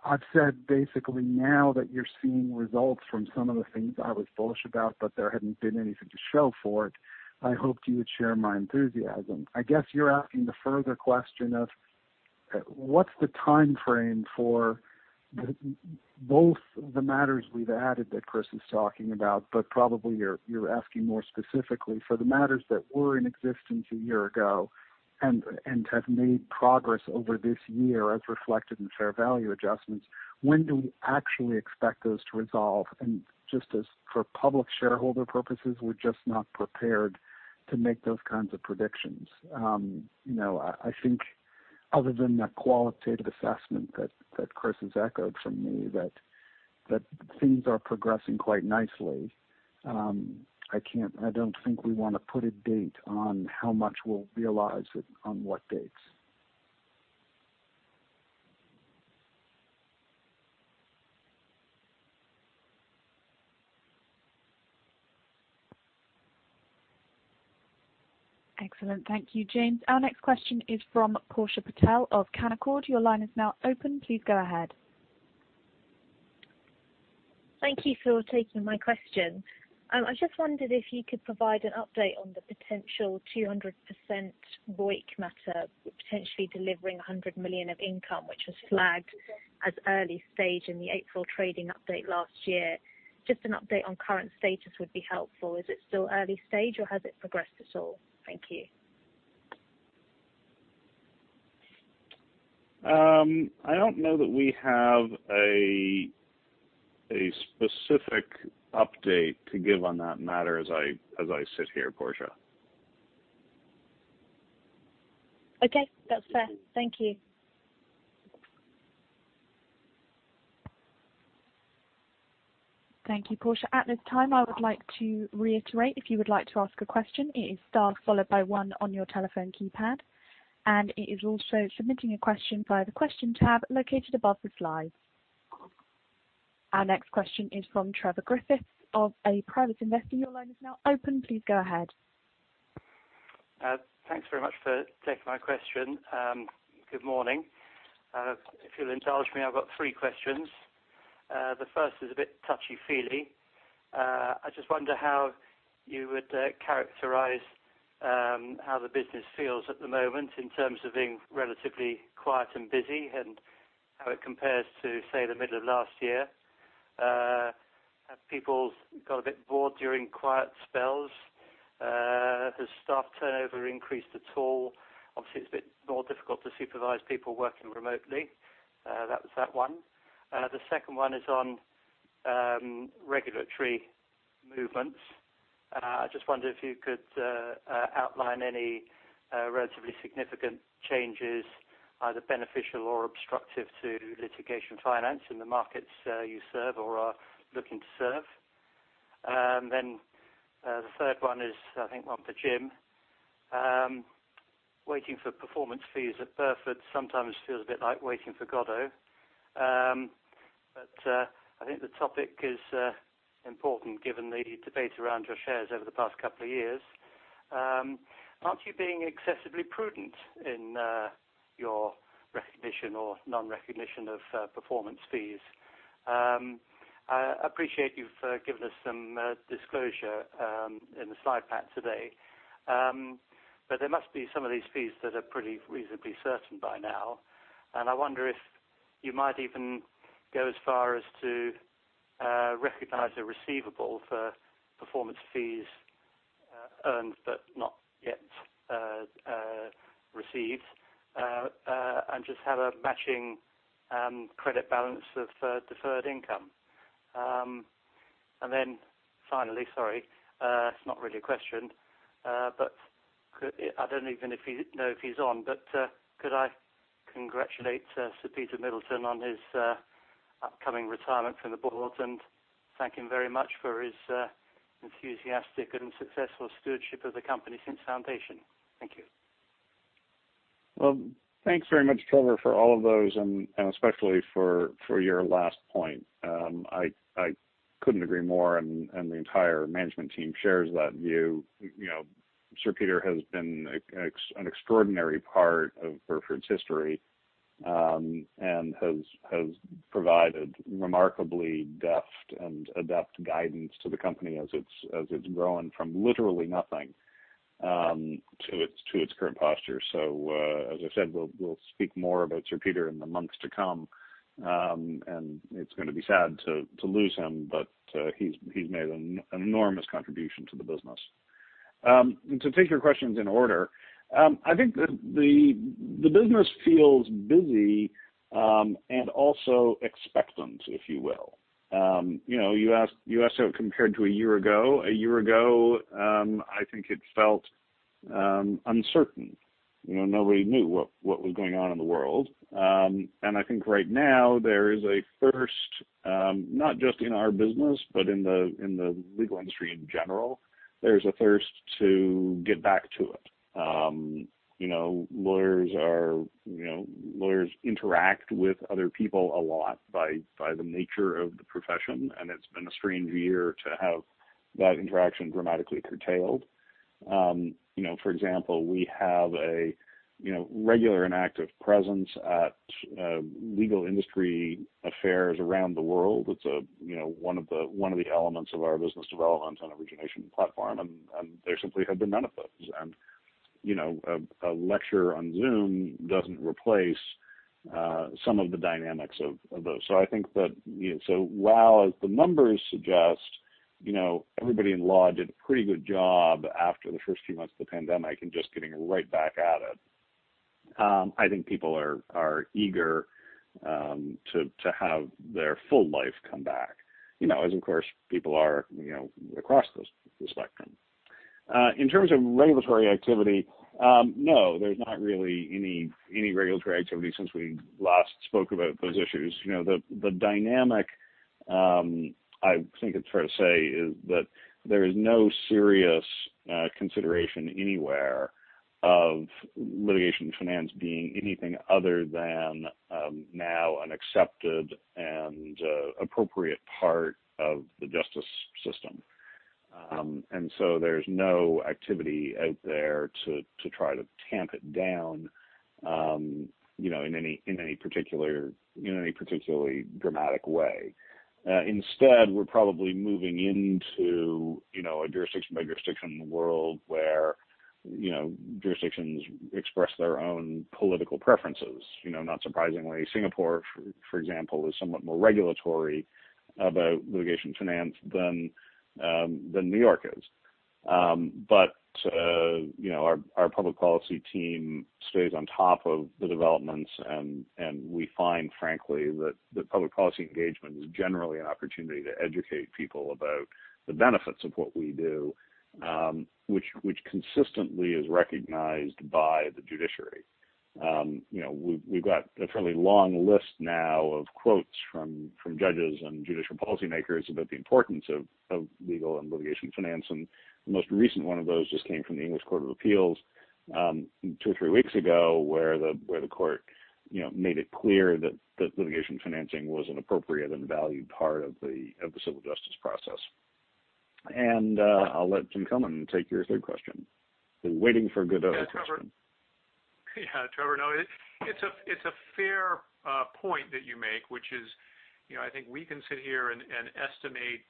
C: I've said basically now that you're seeing results from some of the things I was bullish about, but there hadn't been anything to show for it, I hoped you would share my enthusiasm. I guess you're asking the further question of what's the timeframe for both the matters we've added that Chris is talking about, but probably you're asking more specifically for the matters that were in existence a year ago and have made progress over this year, as reflected in fair value adjustments. When do we actually expect those to resolve? Just as for public shareholder purposes, we're just not prepared to make those kinds of predictions. I think other than that, qualitative assessment that Chris has echoed from me, that things are progressing quite nicely. I don't think we want to put a date on how much we'll realize it on what dates.
A: Excellent. Thank you, James. Our next question is from Portia Patel of Canaccord. Your line is now open. Please go ahead.
F: Thank you for taking my question. I just wondered if you could provide an update on the potential 200% ROIC matter, potentially delivering $100 million of income, which was flagged as early stage in the April trading update last year. Just an update on current status would be helpful. Is it still early stage, or has it progressed at all? Thank you.
B: I don't know that we have a specific update to give on that matter as I sit here, Portia.
F: Okay. That's fair. Thank you.
A: Thank you, Portia. At this time, I would like to reiterate, if you would like to ask a question, it is star followed by one on your telephone keypad, and it is also submitting a question via the Question tab located above the slides. Our next question is from Trevor Griffiths, a private investor. Your line is now open. Please go ahead.
G: Thanks very much for taking my question. Good morning. If you'll indulge me, I've got three questions. The first is a bit touchy-feely. I just wonder how you would characterize how the business feels at the moment in terms of being relatively quiet and busy, and how it compares to, say, the middle of last year. Have people got a bit bored during quiet spells? Has staff turnover increased at all? Obviously, it's a bit more difficult to supervise people working remotely. That was the first one. The second one is on regulatory movements. I just wonder if you could outline any relatively significant changes, either beneficial or obstructive to litigation finance in the markets you serve or are looking to serve. The third one is, I think, one for Jim. Waiting for performance fees at Burford sometimes feels a bit like Waiting for Godot. I think the topic is important given the debate around your shares over the past couple of years. Aren't you being excessively prudent in your recognition or non-recognition of performance fees? I appreciate you've given us some disclosure in the slide pack today. There must be some of these fees that are pretty reasonably certain by now, and I wonder if you might even go as far as to recognize a receivable for performance fees earned but not yet received, and just have a matching credit balance of deferred income. Finally, sorry, it's not really a question. I don't even know if he's on, but could I congratulate Sir Peter Middleton on his upcoming retirement from the board, and thank him very much for his enthusiastic and successful stewardship of the company since its foundation? Thank you.
B: Well, thanks very much, Trevor, for all of those and especially for your last point. Couldn't agree more. The entire management team shares that view. Sir Peter has been an extraordinary part of Burford's history, and has provided remarkably deft and adept guidance to the company as it's grown from literally nothing to its current posture. As I said, we'll speak more about Sir Peter in the months to come. It's going to be sad to lose him. He's made an enormous contribution to the business. To take your questions in order, I think the business feels busy, and also expectant, if you will. You asked how it compared to a year ago. A year ago, I think it felt uncertain. Nobody knew what was going on in the world. I think right now there is a thirst, not just in our business, but in the legal industry in general. There's a thirst to get back to it. Lawyers interact with other people a lot by the nature of the profession, and it's been a strange year to have that interaction dramatically curtailed. For example, we have a regular and active presence at legal industry affairs around the world. It's one of the elements of our business development and origination platform, and there simply have been none of those. A lecture on Zoom doesn't replace some of the dynamics of those. While the numbers suggest everybody in law did a pretty good job after the first few months of the pandemic, and just getting right back at it, I think people are eager to have their full lives come back. As of course, people are across the spectrum. In terms of regulatory activity, no, there's not really any regulatory activity since we last spoke about those issues. The dynamic, I think it's fair to say, is that there is no serious consideration anywhere of litigation finance being anything other than now an accepted and appropriate part of the justice system. There's no activity out there to try to tamp it down in any particularly dramatic way. Instead, we're probably moving into a jurisdiction-by-jurisdiction world where jurisdictions express their own political preferences. Not surprisingly, Singapore, for example, is somewhat more regulatory about litigation finance than New York is. Our public policy team stays on top of the developments, and we find, frankly, that public policy engagement is generally an opportunity to educate people about the benefits of what we do, which consistently is recognized by the judiciary. We've got a fairly long list now of quotes from judges and judicial policymakers about the importance of legal and litigation finance. The most recent one of those just came from the English Court of Appeal two or three weeks ago, where the court made it clear that litigation financing was an appropriate and valued part of the civil justice process. I'll let Jim come and take your third question. Been waiting for a good other question.
D: Trevor. No, it's a fair point that you make, which is, I think, we can sit here and estimate,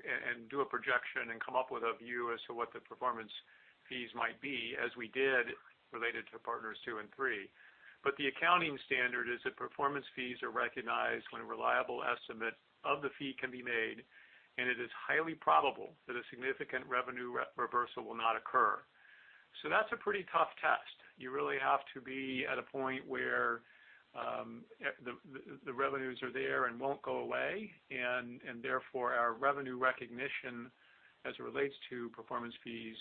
D: and do a projection, and come up with a view as to what the performance fees might be, as we did related to Partners II and III. The accounting standard is that performance fees are recognized when a reliable estimate of the fee can be made, and it is highly probable that a significant revenue reversal will not occur. That's a pretty tough test. You really have to be at a point where the revenues are there and won't go away, and therefore, our revenue recognition as it relates to performance fees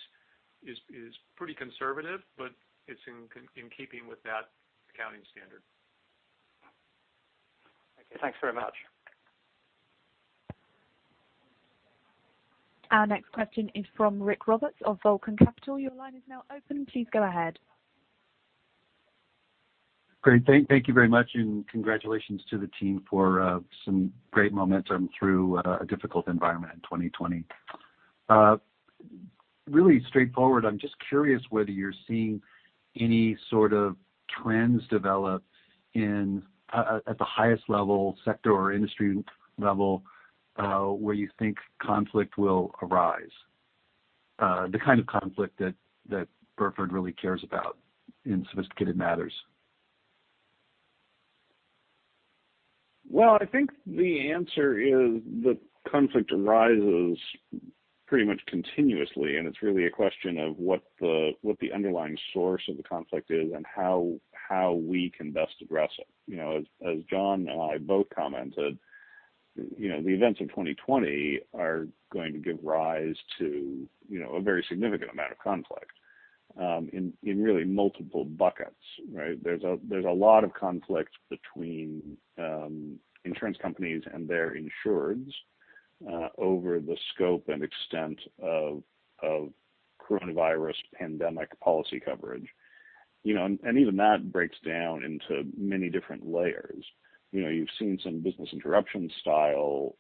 D: is pretty conservative, but it's in keeping with that accounting standard.
G: Okay. Thanks very much.
A: Our next question is from Rick Roberts of Vulcan Capital. Your line is now open. Please go ahead.
H: Great. Thank you very much, and congratulations to the team for some great momentum through a difficult environment in 2020. Really straightforward, I'm just curious whether you're seeing any sort of trends develop at the highest level, sector, or industry level, where you think conflict will arise, the kind of conflict that Burford really cares about in sophisticated matters?
B: Well, I think the answer is that conflict arises pretty much continuously, and it's really a question of what the underlying source of the conflict is and how we can best address it. As Jon and I both commented, the events of 2020 are going to give rise to a very significant amount of conflict in really multiple buckets, right? There's a lot of conflict between insurance companies and their insureds over the scope and extent of coronavirus pandemic policy coverage. Even that breaks down into many different layers. You've seen some business interruption style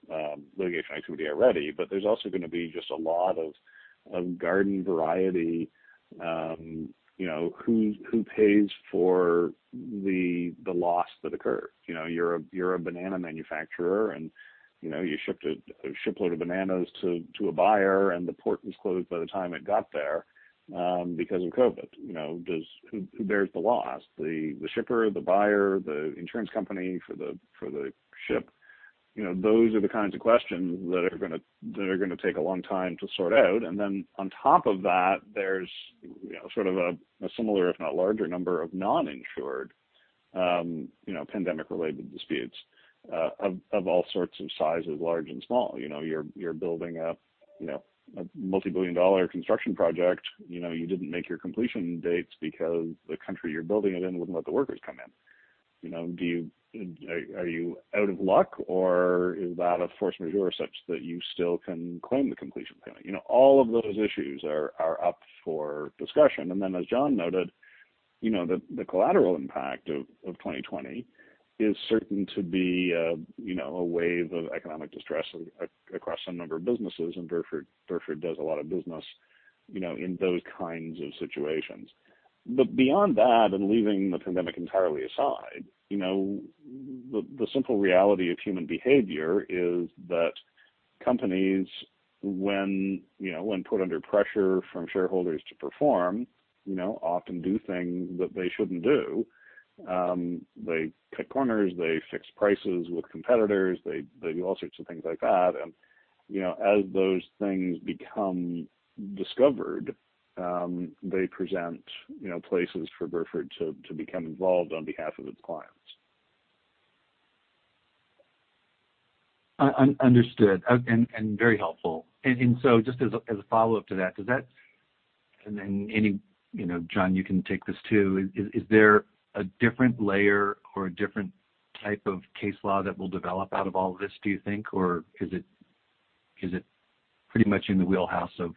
B: litigation activity already, but there's also going to be just a lot of garden variety, who pays for the loss that occurred? You're a banana manufacturer, and you shipped a shipload of bananas to a buyer, and the port was closed by the time it got there, because of COVID. Who bears the loss? The shipper, the buyer, the insurance company for the ship? Those are the kinds of questions that are going to take a long time to sort out. Then on top of that, there's sort of a similar, if not larger, number of non-insured pandemic-related disputes of all sorts of sizes, large and small. You're building a multi-billion-dollar construction project. You didn't make your completion dates because the country you're building it in wouldn't let the workers come in. Are you out of luck, or is that a force majeure such that you still can claim the completion payment? All of those issues are up for discussion. Then, as Jon noted, the collateral impact of 2020 is certain to be a wave of economic distress across a number of businesses. Burford does a lot of business in those kinds of situations. Beyond that, and leaving the pandemic entirely aside, the simple reality of human behavior is that companies, when put under pressure from shareholders to perform, often do things that they shouldn't do. They cut corners, they fix prices with competitors, they do all sorts of things like that. As those things become discovered, they present places for Burford to become involved on behalf of its clients.
H: Understood, and very helpful. Just as a follow-up to that, Jon, you can take this, too. Is there a different layer or a different type of case law that will develop out of all this, do you think, or is it pretty much in the wheelhouse of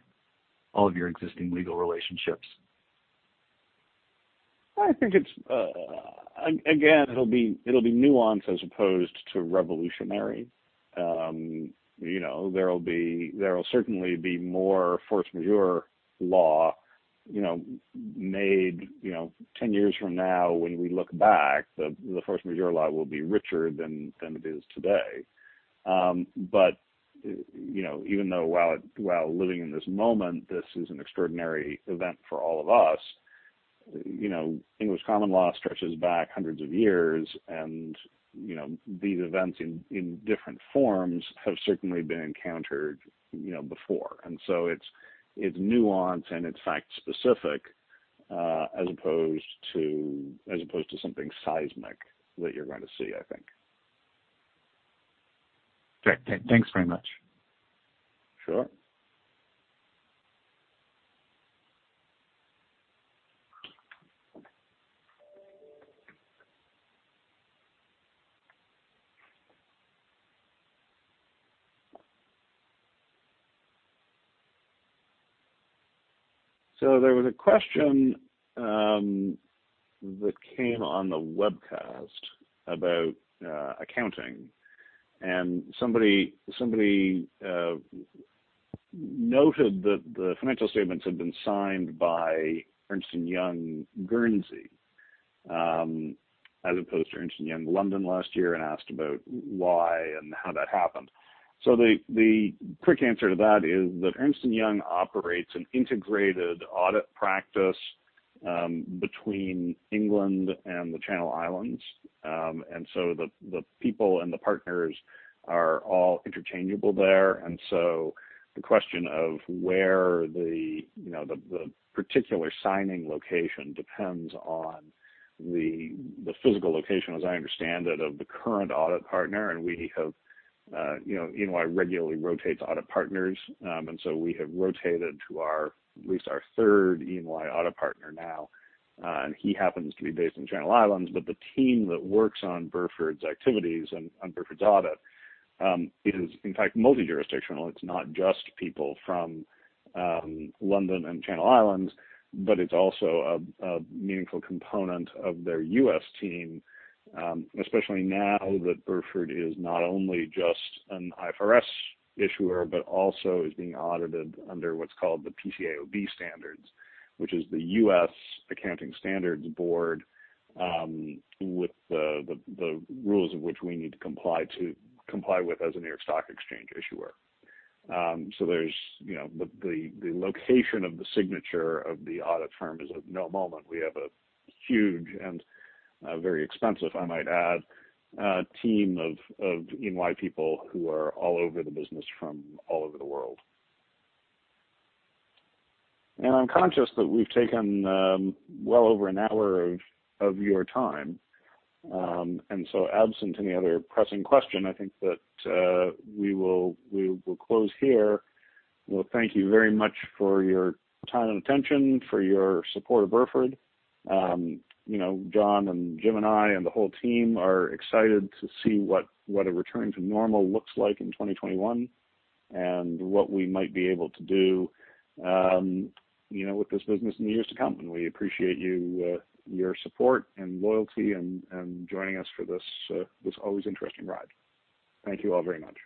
H: all of your existing legal relationships?
B: I think again, it'll be nuanced as opposed to revolutionary. There'll certainly be more force majeure laws made 10 years from now when we look back. The force majeure law will be richer than it is today. Even though while living in this moment, this is an extraordinary event for all of us, English common law stretches back hundreds of years, and these events in different forms have certainly been encountered before. It's nuanced, and it's fact-specific, as opposed to something seismic that you're going to see, I think.
H: Great. Thanks very much.
B: Sure. There was a question that came on the webcast about accounting, and somebody noted that the financial statements had been signed by EY Guernsey, as opposed to EY UK last year, and asked about why and how that happened. The quick answer to that is that Ernst & Young operates an integrated audit practice between England and the Channel Islands. The people and the partners are all interchangeable there, and so the question of where the particular signing location depends on the physical location, as I understand it, of the current audit partner. EY regularly rotates audit partners, and so we have rotated to at least our third EY audit partner now. He happens to be based in the Channel Islands. The team that works on Burford's activities and on Burford's audit is, in fact multi-jurisdictional. It's not just people from London and Channel Islands, but it's also a meaningful component of their U.S. team. Especially now that Burford is not only just an IFRS issuer, but also is being audited under what's called the PCAOB standards, which is the U.S. Accounting Standards Board, with the rules of which we need to comply with as a New York Stock Exchange issuer. The location of the signature of the audit firm is of no moment. We have a huge and very expensive, I might add, team of EY people who are all over the business from all over the world. I'm conscious that we've taken well over an hour of your time. Absent any other pressing question, I think that we will close here. Well, thank you very much for your time and attention, for your support of Burford. Jon, Jim, and I, and the whole team, are excited to see what a return to normal looks like in 2021 and what we might be able to do with this business in the years to come. We appreciate your support and loyalty, and joining us for this always interesting ride. Thank you all very much.